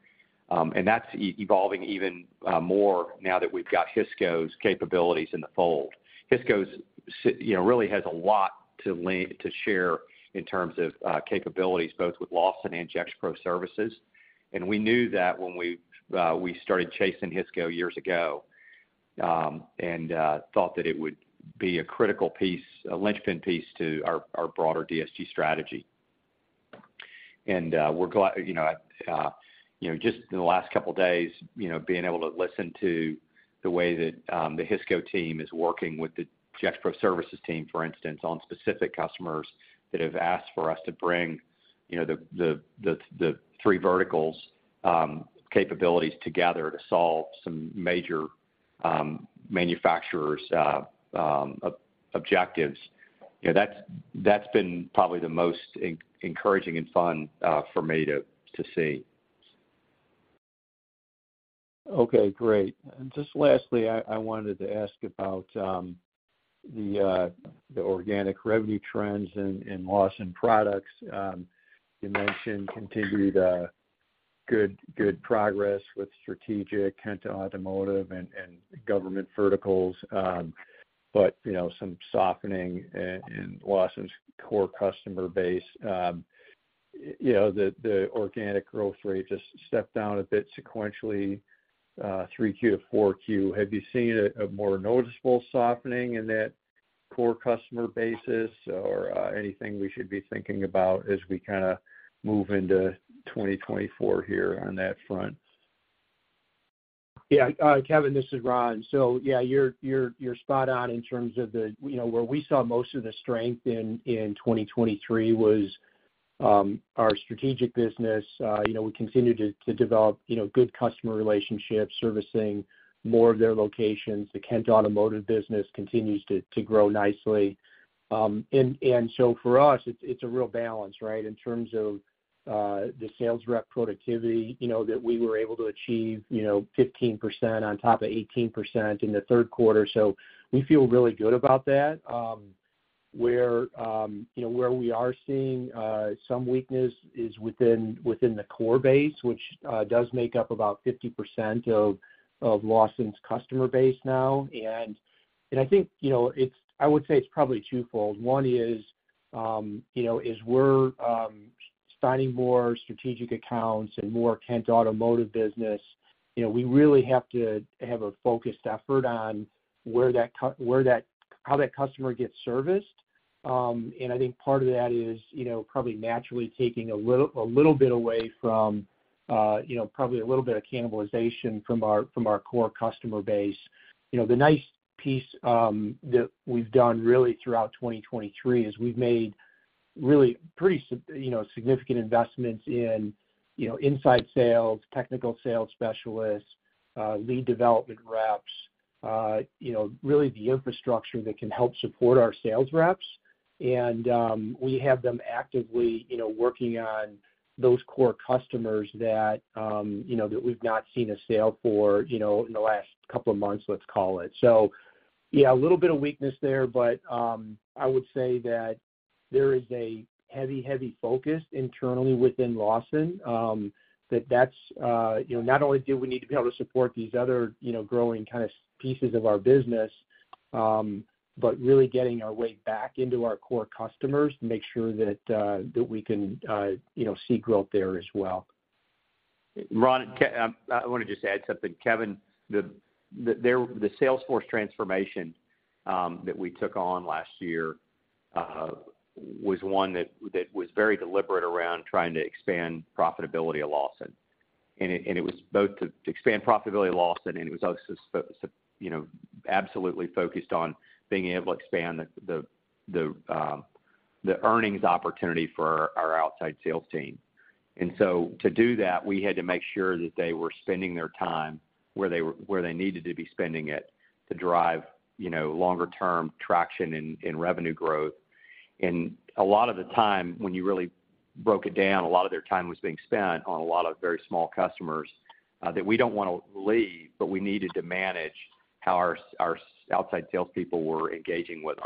And that's evolving even more now that we've got Hisco's capabilities in the fold. Hisco really has a lot to share in terms of capabilities, both with Lawson and Gexpro Services. And we knew that when we started chasing Hisco years ago and thought that it would be a critical piece, a linchpin piece to our broader DSG strategy. And we're glad just in the last couple of days, being able to listen to the way that the Hisco team is working with the Gexpro Services team, for instance, on specific customers that have asked for us to bring the three verticals capabilities together to solve some major manufacturers' objectives, that's been probably the most encouraging and fun for me to see. Okay. Great. And just lastly, I wanted to ask about the organic revenue trends in Lawson Products. You mentioned continued good progress with strategic, Kent Automotive, and government verticals, but some softening in Lawson's core customer base. The organic growth rate just stepped down a bit sequentially, 3Q to 4Q. Have you seen a more noticeable softening in that core customer base or anything we should be thinking about as we kind of move into 2024 here on that front? Yeah. Kevin, this is Ron. So yeah, you're spot on in terms of where we saw most of the strength in 2023 was our strategic business. We continue to develop good customer relationships, servicing more of their locations. The Kent Automotive business continues to grow nicely. And so for us, it's a real balance, right, in terms of the sales rep productivity that we were able to achieve 15% on top of 18% in the third quarter. So we feel really good about that. Where we are seeing some weakness is within the core base, which does make up about 50% of Lawson's customer base now. And I think I would say it's probably twofold. One is as we're signing more strategic accounts and more Kent Automotive business, we really have to have a focused effort on how that customer gets serviced. I think part of that is probably naturally taking a little bit away from probably a little bit of cannibalization from our core customer base. The nice piece that we've done really throughout 2023 is we've made really pretty significant investments in inside sales, technical sales specialists, lead development reps, really the infrastructure that can help support our sales reps. And we have them actively working on those core customers that we've not seen a sale for in the last couple of months, let's call it. So yeah, a little bit of weakness there. I would say that there is a heavy, heavy focus internally within Lawson that that's not only do we need to be able to support these other growing kind of pieces of our business, but really getting our way back into our core customers to make sure that we can see growth there as well. Ron, I want to just add something. Kevin, the sales force transformation that we took on last year was one that was very deliberate around trying to expand profitability at Lawson. And it was both to expand profitability at Lawson, and it was also absolutely focused on being able to expand the earnings opportunity for our outside sales team. And so to do that, we had to make sure that they were spending their time where they needed to be spending it to drive longer-term traction and revenue growth. And a lot of the time, when you really broke it down, a lot of their time was being spent on a lot of very small customers that we don't want to leave, but we needed to manage how our outside salespeople were engaging with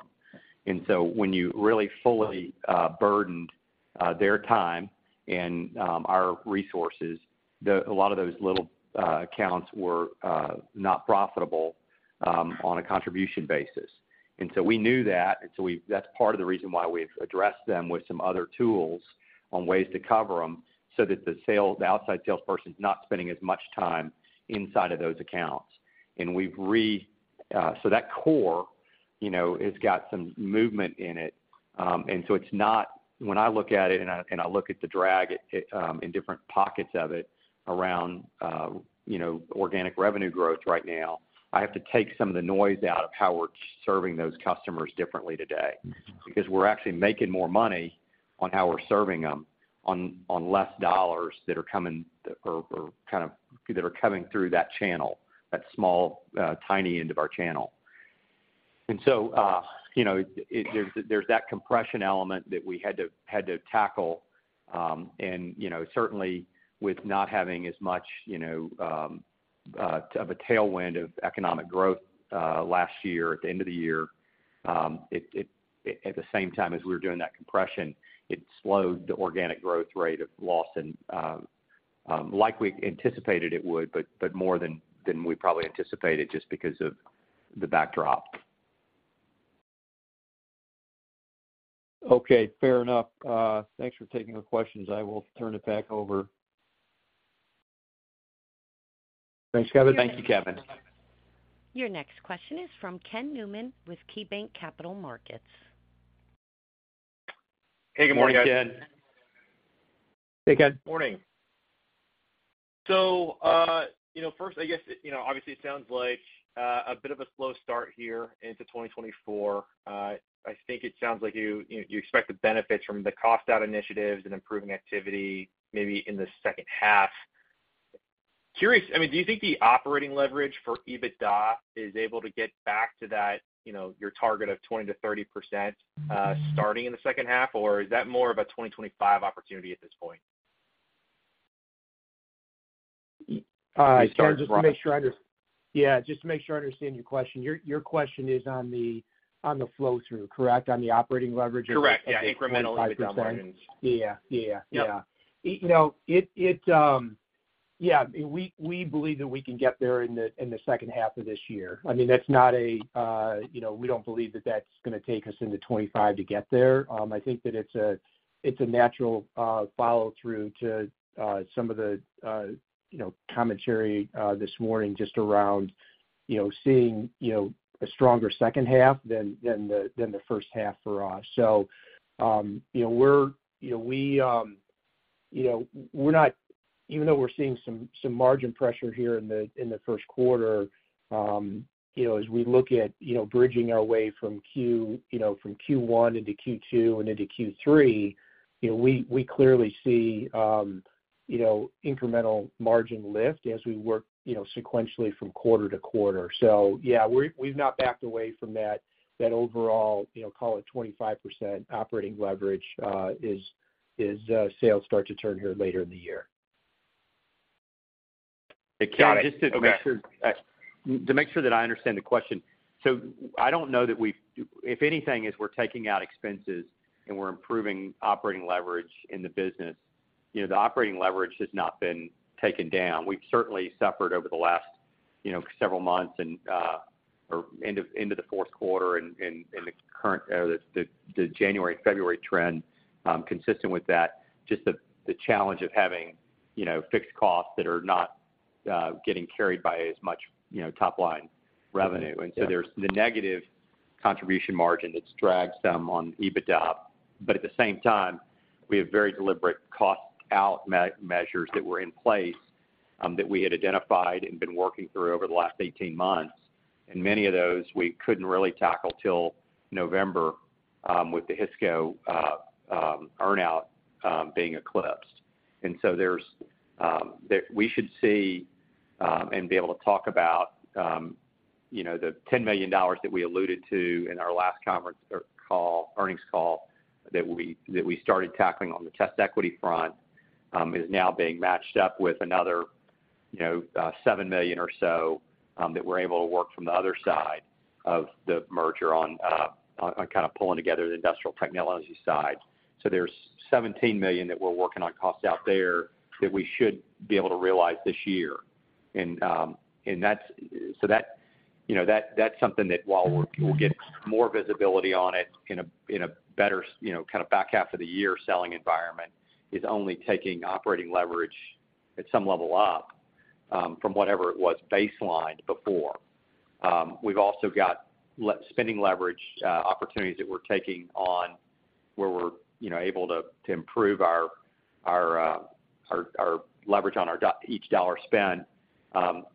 them. When you really fully burdened their time and our resources, a lot of those little accounts were not profitable on a contribution basis. We knew that. That's part of the reason why we've addressed them with some other tools and ways to cover them so that the outside salesperson's not spending as much time inside of those accounts. We've reset so that core has got some movement in it. And so, it's not when I look at it and I look at the drag in different pockets of it around organic revenue growth right now, I have to take some of the noise out of how we're serving those customers differently today because we're actually making more money on how we're serving them on less dollars that are coming or kind of that are coming through that channel, that small, tiny end of our channel. And so, there's that compression element that we had to tackle. And certainly, with not having as much of a tailwind of economic growth last year at the end of the year, at the same time as we were doing that compression, it slowed the organic growth rate of Lawson like we anticipated it would, but more than we probably anticipated just because of the backdrop. Okay. Fair enough. Thanks for taking the questions. I will turn it back over. Thanks, Kevin. Thank you, Kevin. Your next question is from Ken Newman with KeyBanc Capital Markets. Hey. Good morning, Ken. Hey, Ken. Morning. So first, I guess, obviously, it sounds like a bit of a slow start here into 2024. I think it sounds like you expect to benefit from the cost-out initiatives and improving activity maybe in the second half. I mean, do you think the operating leverage for EBITDA is able to get back to your target of 20%-30% starting in the second half, or is that more of a 2025 opportunity at this point? Just to make sure I understand your question. Your question is on the flow-through, correct? On the operating leverage of the 2025. Correct. Yeah. Incremental EBITDA margins. Yeah. Yeah. Yeah. Yeah. I mean, we believe that we can get there in the second half of this year. I mean, that's not a we don't believe that that's going to take us into 2025 to get there. I think that it's a natural follow-through to some of the commentary this morning just around seeing a stronger second half than the first half for us. So we're not even though we're seeing some margin pressure here in the first quarter, as we look at bridging our way from Q1 into Q2 and into Q3, we clearly see incremental margin lift as we work sequentially from quarter to quarter. So yeah, we've not backed away from that overall, call it 25% operating leverage as sales start to turn here later in the year. Kevin, just to make sure to make sure that I understand the question. So I don't know that we've if anything, is we're taking out expenses and we're improving operating leverage in the business. The operating leverage has not been taken down. We've certainly suffered over the last several months and or end of the fourth quarter and the current the January and February trend consistent with that, just the challenge of having fixed costs that are not getting carried by as much top-line revenue. And so there's the negative contribution margin that's dragged some on EBITDA. But at the same time, we have very deliberate cost-out measures that were in place that we had identified and been working through over the last 18 months. And many of those, we couldn't really tackle till November with the Hisco earnout being eclipsed. We should see and be able to talk about the $10 million that we alluded to in our last conference call, earnings call, that we started tackling on the TestEquity front is now being matched up with another $7 million or so that we're able to work from the other side of the merger on kind of pulling together the industrial technology side. There's $17 million that we're working on cost-out there that we should be able to realize this year. That's something that while we'll get more visibility on it in a better kind of back half of the year selling environment is only taking operating leverage at some level up from whatever it was baselined before. We've also got spending leverage opportunities that we're taking on where we're able to improve our leverage on each dollar spent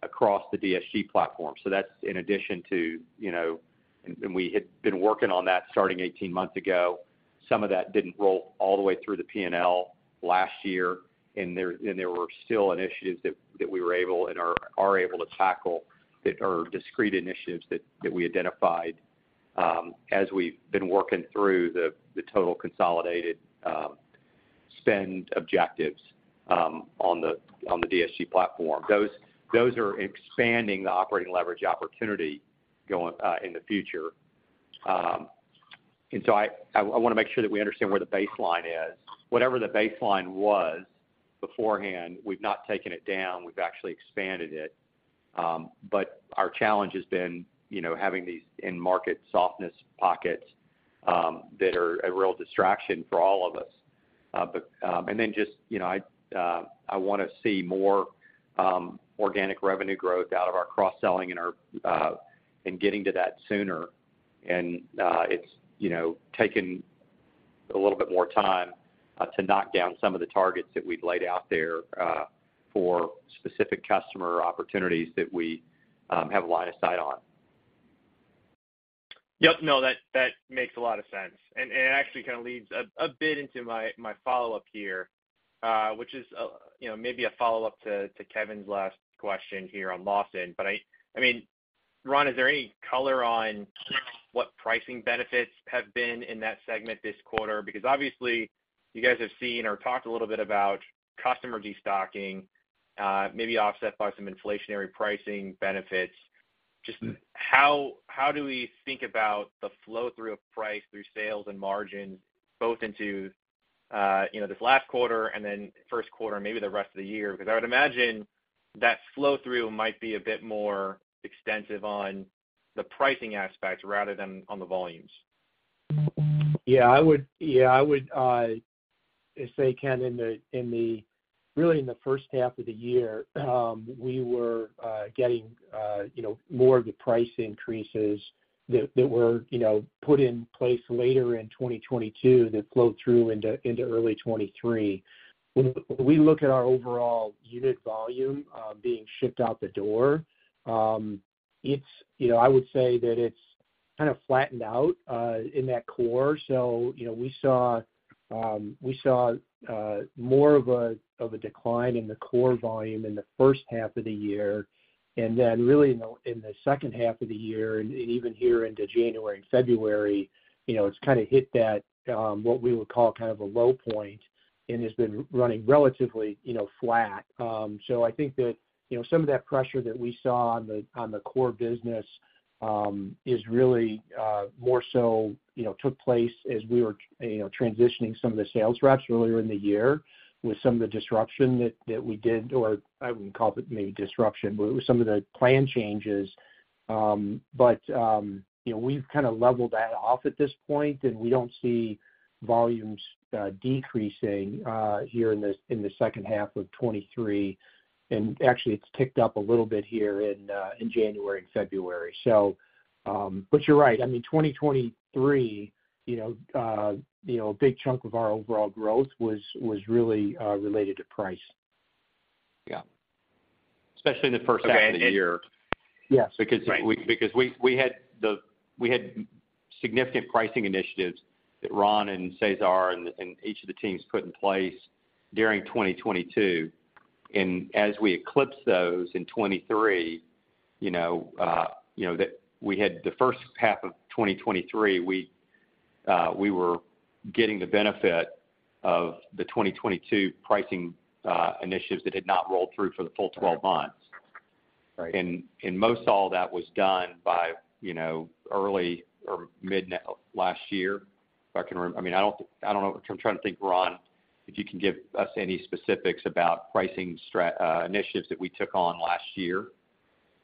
across the DSG platform. That's in addition to, and we had been working on that starting 18 months ago. Some of that didn't roll all the way through the P&L last year. There were still initiatives that we were able and are able to tackle that are discrete initiatives that we identified as we've been working through the total consolidated spend objectives on the DSG platform. Those are expanding the operating leverage opportunity in the future. So I want to make sure that we understand where the baseline is. Whatever the baseline was beforehand, we've not taken it down. We've actually expanded it. But our challenge has been having these in-market softness pockets that are a real distraction for all of us. Then just I want to see more organic revenue growth out of our cross-selling and getting to that sooner. It's taken a little bit more time to knock down some of the targets that we'd laid out there for specific customer opportunities that we have a line of sight on. Yep. No, that makes a lot of sense. And it actually kind of leads a bit into my follow-up here, which is maybe a follow-up to Kevin's last question here on Lawson. But I mean, Ron, is there any color on what pricing benefits have been in that segment this quarter? Because obviously, you guys have seen or talked a little bit about customer destocking, maybe offset by some inflationary pricing benefits. Just how do we think about the flow-through of price through sales and margins both into this last quarter and then first quarter and maybe the rest of the year? Because I would imagine that flow-through might be a bit more extensive on the pricing aspect rather than on the volumes. Yeah. Yeah. I would say, Ken, really in the first half of the year, we were getting more of the price increases that were put in place later in 2022 that flowed through into early 2023. When we look at our overall unit volume being shipped out the door, I would say that it's kind of flattened out in that core. So we saw more of a decline in the core volume in the first half of the year. And then really in the second half of the year and even here into January and February, it's kind of hit what we would call kind of a low point and has been running relatively flat. So I think that some of that pressure that we saw on the core business is really more so took place as we were transitioning some of the sales reps earlier in the year with some of the disruption that we did or I wouldn't call it maybe disruption, but with some of the plan changes. But we've kind of leveled that off at this point, and we don't see volumes decreasing here in the second half of 2023. And actually, it's ticked up a little bit here in January and February. But you're right. I mean, 2023, a big chunk of our overall growth was really related to price. Yeah. Especially in the first half of the year. Yes. Right. Because we had significant pricing initiatives that Ron and Cesar and each of the teams put in place during 2022. And as we eclipsed those in '23, that we had the first half of 2023, we were getting the benefit of the 2022 pricing initiatives that had not rolled through for the full 12 months. And most all of that was done by early or mid last year, if I can remember. I mean, I don't know. I'm trying to think, Ron, if you can give us any specifics about pricing initiatives that we took on last year.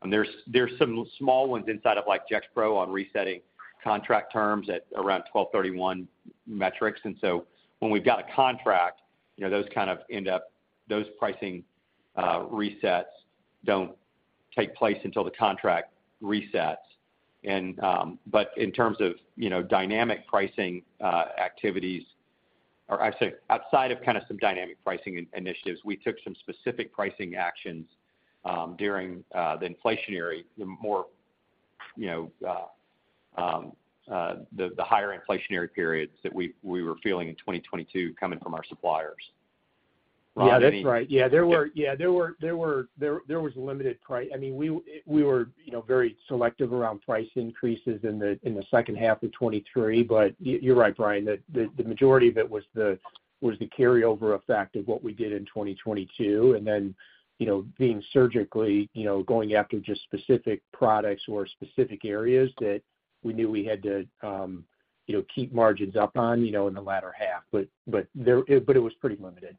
There's some small ones inside of like Gexpro on resetting contract terms at around 12/31 metrics. And so when we've got a contract, those kind of end up those pricing resets don't take place until the contract resets. But in terms of dynamic pricing activities or I should say, outside of kind of some dynamic pricing initiatives, we took some specific pricing actions during the inflationary, the more the higher inflationary periods that we were feeling in 2022 coming from our suppliers, Ron? Yeah. That's right. Yeah. Yeah. There was a limited price, I mean, we were very selective around price increases in the second half of 2023. But you're right, Bryan. The majority of it was the carryover effect of what we did in 2022 and then being surgically going after just specific products or specific areas that we knew we had to keep margins up on in the latter half. But it was pretty limited.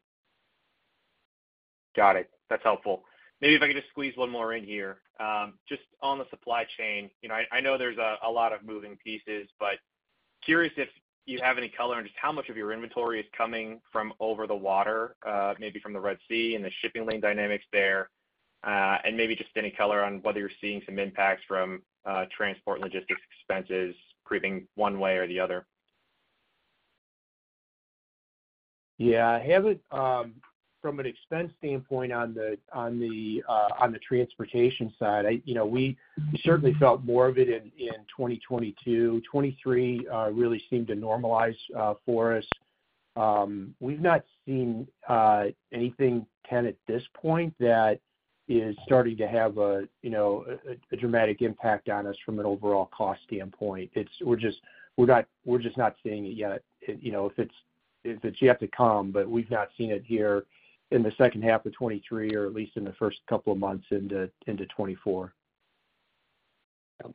Got it. That's helpful. Maybe if I could just squeeze one more in here. Just on the supply chain, I know there's a lot of moving pieces, but curious if you have any color on just how much of your inventory is coming from over the water, maybe from the Red Sea and the shipping lane dynamics there, and maybe just any color on whether you're seeing some impacts from transport and logistics expenses creeping one way or the other? Yeah. From an expense standpoint on the transportation side, we certainly felt more of it in 2022. 2023 really seemed to normalize for us. We've not seen anything, Ken, at this point that is starting to have a dramatic impact on us from an overall cost standpoint. We're just not seeing it yet. If it's yet to come, but we've not seen it here in the second half of 2023 or at least in the first couple of months into 2024. Yeah.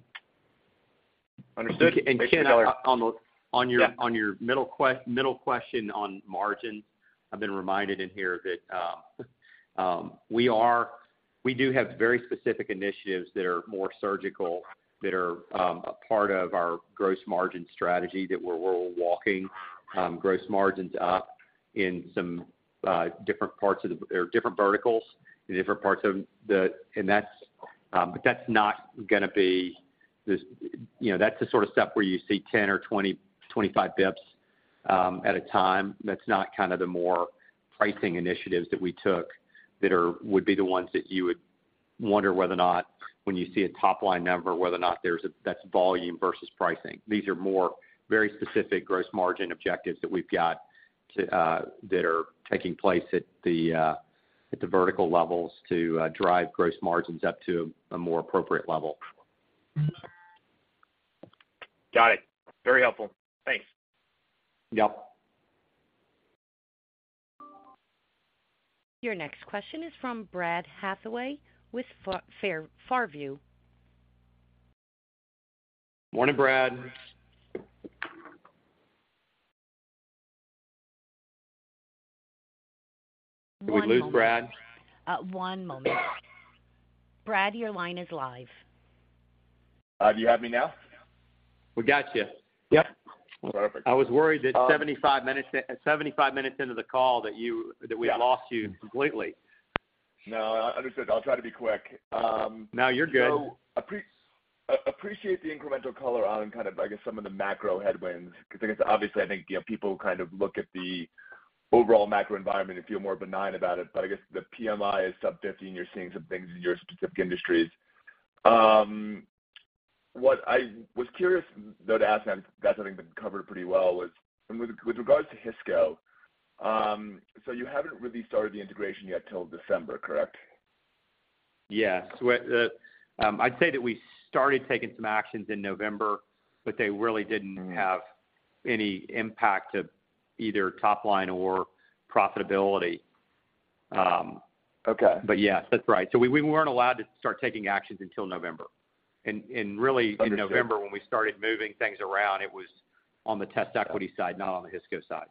Understood. And Ken, on your middle question on margins, I've been reminded in here that we do have very specific initiatives that are more surgical, that are a part of our gross margin strategy, that we're walking gross margins up in some different parts or different verticals in different parts, but that's not going to be – that's the sort of stuff where you see 10 or 20, 25 basis points at a time. That's not kind of the more pricing initiatives that we took that would be the ones that you would wonder whether or not when you see a top-line number, whether or not that's volume versus pricing. These are more very specific gross margin objectives that we've got that are taking place at the vertical levels to drive gross margins up to a more appropriate level. Got it. Very helpful. Thanks. Yep. Your next question is from Brad Hathaway with Far View. Morning, Brad. Did we lose Brad? One moment. One moment. Brad, your line is live. Do you have me now? We got you. Yep. Perfect. I was worried that 75 minutes into the call that we had lost you completely. No. Understood. I'll try to be quick. Now you're good. I appreciate the incremental color on kind of, I guess, some of the macro headwinds because obviously, I think people kind of look at the overall macro environment and feel more benign about it. But I guess the PMI is sub-50, and you're seeing some things in your specific industries. What I was curious, though, to ask now because that's something that's been covered pretty well was with regards to Hisco, so you haven't really started the integration yet till December, correct? Yes. I'd say that we started taking some actions in November, but they really didn't have any impact to either top-line or profitability. But yes, that's right. So we weren't allowed to start taking actions until November. And really, in November, when we started moving things around, it was on the TestEquity side, not on the Hisco side.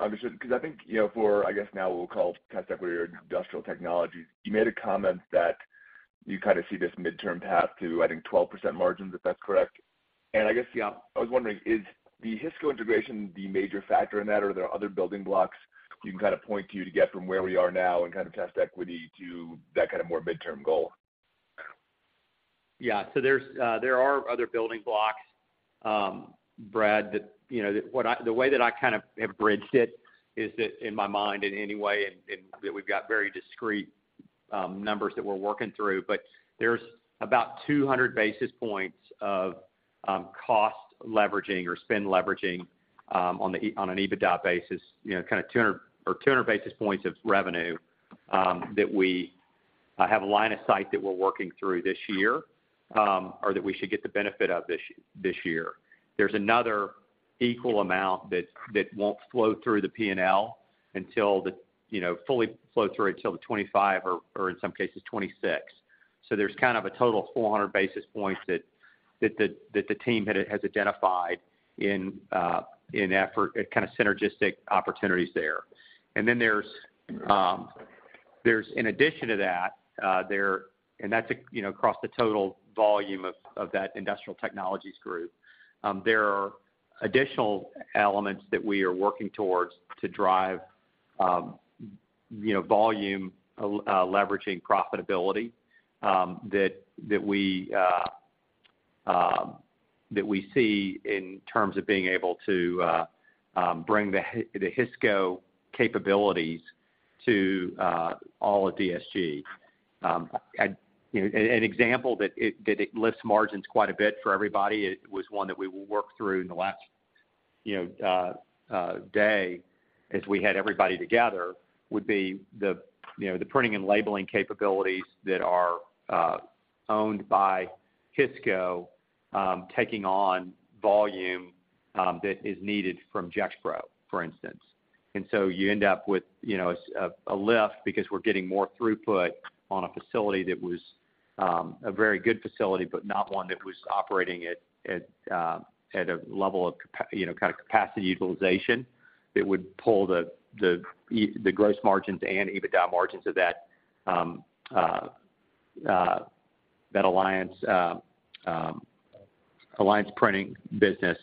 Understood. Because I think for, I guess, now we'll call it TestEquity or industrial technologies, you made a comment that you kind of see this midterm path to, I think, 12% margins, if that's correct. And I guess I was wondering, is the Hisco integration the major factor in that, or are there other building blocks you can kind of point to to get from where we are now and kind of TestEquity to that kind of more midterm goal? Yeah. So there are other building blocks, Brad, that the way that I kind of have bridged it is that in my mind in any way and that we've got very discrete numbers that we're working through. But there's about 200 basis points of cost leveraging or spend leveraging on an EBITDA basis, kind of 200 or 200 basis points of revenue that we have a line of sight that we're working through this year or that we should get the benefit of this year. There's another equal amount that won't flow through the P&L until the fully flow through until the 2025 or in some cases, 2026. So there's kind of a total of 400 basis points that the team has identified in kind of synergistic opportunities there. And then in addition to that, there and that's across the total volume of that industrial technologies group. There are additional elements that we are working towards to drive volume leveraging profitability that we see in terms of being able to bring the Hisco capabilities to all of DSG. An example that lifts margins quite a bit for everybody was one that we will work through in the last day as we had everybody together would be the printing and labeling capabilities that are owned by Hisco taking on volume that is needed from Gexpro, for instance. And so you end up with a lift because we're getting more throughput on a facility that was a very good facility but not one that was operating at a level of kind of capacity utilization that would pull the gross margins and EBITDA margins of that Alliance Printing business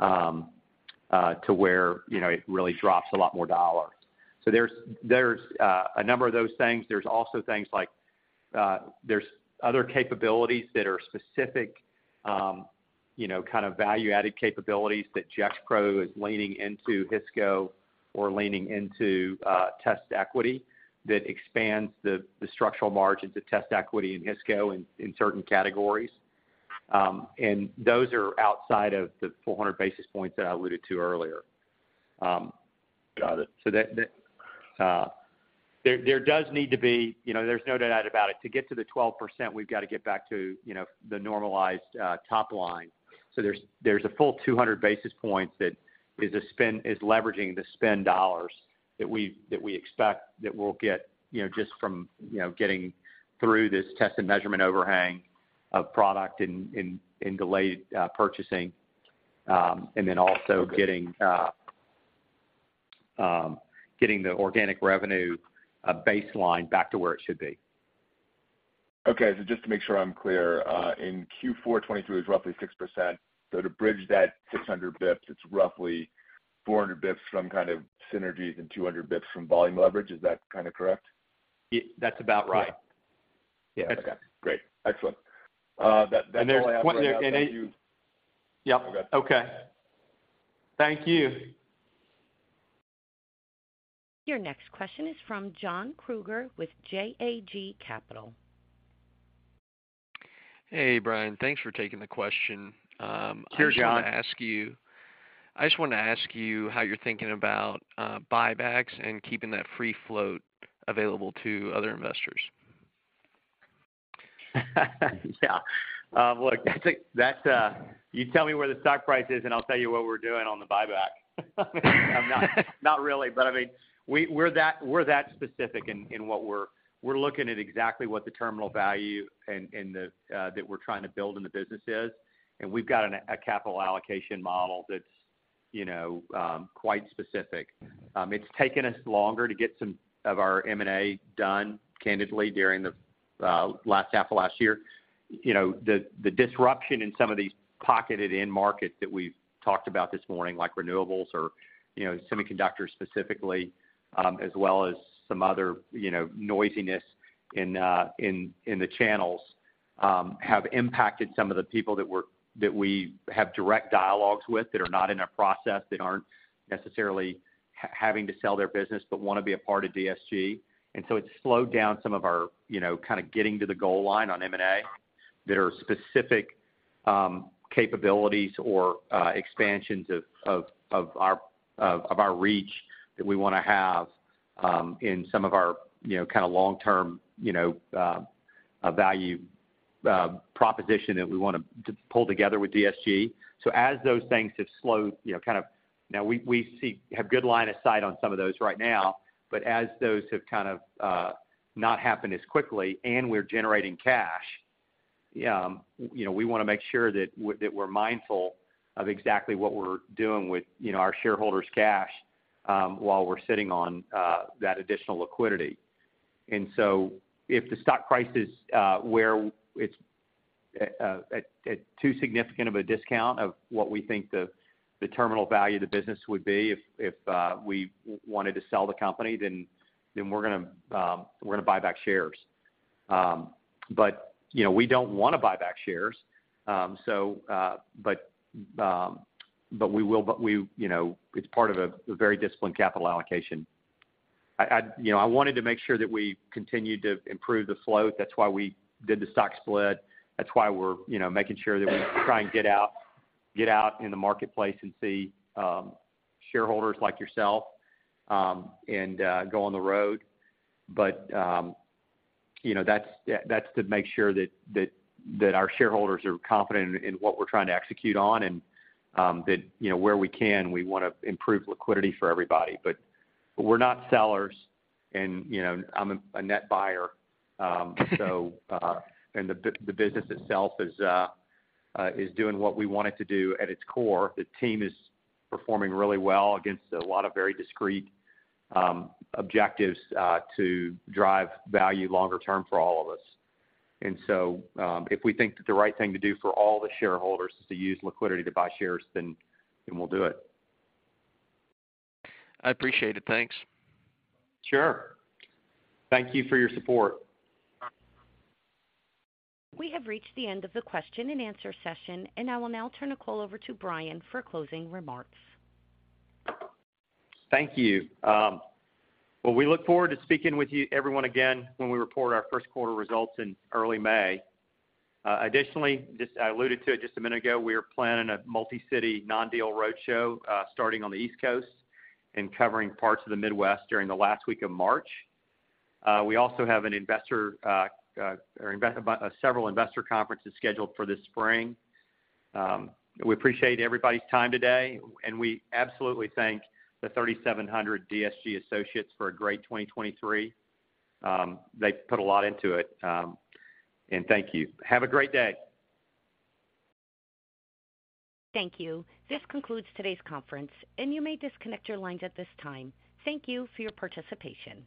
to where it really drops a lot more dollars. So there's a number of those things. There's also things like there are other capabilities that are specific kind of value-added capabilities that Gexpro is leaning into Hisco or leaning into TestEquity that expands the structural margins of TestEquity in Hisco in certain categories. And those are outside of the 400 basis points that I alluded to earlier. Got it. So there does need to be. There's no doubt about it. To get to the 12%, we've got to get back to the normalized top line. So there's a full 200 basis points that is leveraging the spend dollars that we expect that we'll get just from getting through this test and measurement overhang of product and delayed purchasing and then also getting the organic revenue baseline back to where it should be. Okay. So just to make sure I'm clear, in Q4 2023, it was roughly 6%. So to bridge that 600 basis points, it's roughly 400 basis points from kind of synergies and 200 basis points from volume leverage. Is that kind of correct? That's about right. Yeah. Okay. Great. Excellent. That's all I have for you. And there's one there. And. Yep. Okay. Okay. Thank you. Your next question is from John Krueger with JAG Capital. Hey, Bryan. Thanks for taking the question. I just want to ask you. Hear you, John. I just want to ask you how you're thinking about buybacks and keeping that free float available to other investors. Yeah. Look, you tell me where the stock price is, and I'll tell you what we're doing on the buyback. Not really. But I mean, we're that specific in what we're looking at exactly what the terminal value that we're trying to build in the business is. And we've got a capital allocation model that's quite specific. It's taken us longer to get some of our M&A done, candidly, during the last half of last year. The disruption in some of these pocketed-in markets that we've talked about this morning, like renewables or semiconductors specifically, as well as some other noisiness in the channels, have impacted some of the people that we have direct dialogues with that are not in a process that aren't necessarily having to sell their business but want to be a part of DSG. And so it's slowed down some of our kind of getting to the goal line on M&A that are specific capabilities or expansions of our reach that we want to have in some of our kind of long-term value proposition that we want to pull together with DSG. So as those things have slowed kind of now, we have good line of sight on some of those right now. But as those have kind of not happened as quickly and we're generating cash, we want to make sure that we're mindful of exactly what we're doing with our shareholders' cash while we're sitting on that additional liquidity. And so if the stock price is where it's at too significant of a discount of what we think the terminal value of the business would be if we wanted to sell the company, then we're going to buy back shares. But we don't want to buy back shares, but we will. It's part of a very disciplined capital allocation. I wanted to make sure that we continued to improve the float. That's why we did the stock split. That's why we're making sure that we try and get out in the marketplace and see shareholders like yourself and go on the road. But that's to make sure that our shareholders are confident in what we're trying to execute on and that where we can, we want to improve liquidity for everybody. But we're not sellers, and I'm a net buyer, and the business itself is doing what we want it to do at its core. The team is performing really well against a lot of very discrete objectives to drive value longer term for all of us. And so if we think that the right thing to do for all the shareholders is to use liquidity to buy shares, then we'll do it. I appreciate it. Thanks. Sure. Thank you for your support. We have reached the end of the question and answer session, and I will now turn the call over to Bryan for closing remarks. Thank you. Well, we look forward to speaking with everyone again when we report our first quarter results in early May. Additionally, I alluded to it just a minute ago. We are planning a multi-city non-deal roadshow starting on the East Coast and covering parts of the Midwest during the last week of March. We also have several investor conferences scheduled for this spring. We appreciate everybody's time today, and we absolutely thank the 3,700 DSG associates for a great 2023. They put a lot into it. And thank you. Have a great day. Thank you. This concludes today's conference, and you may disconnect your lines at this time. Thank you for your participation.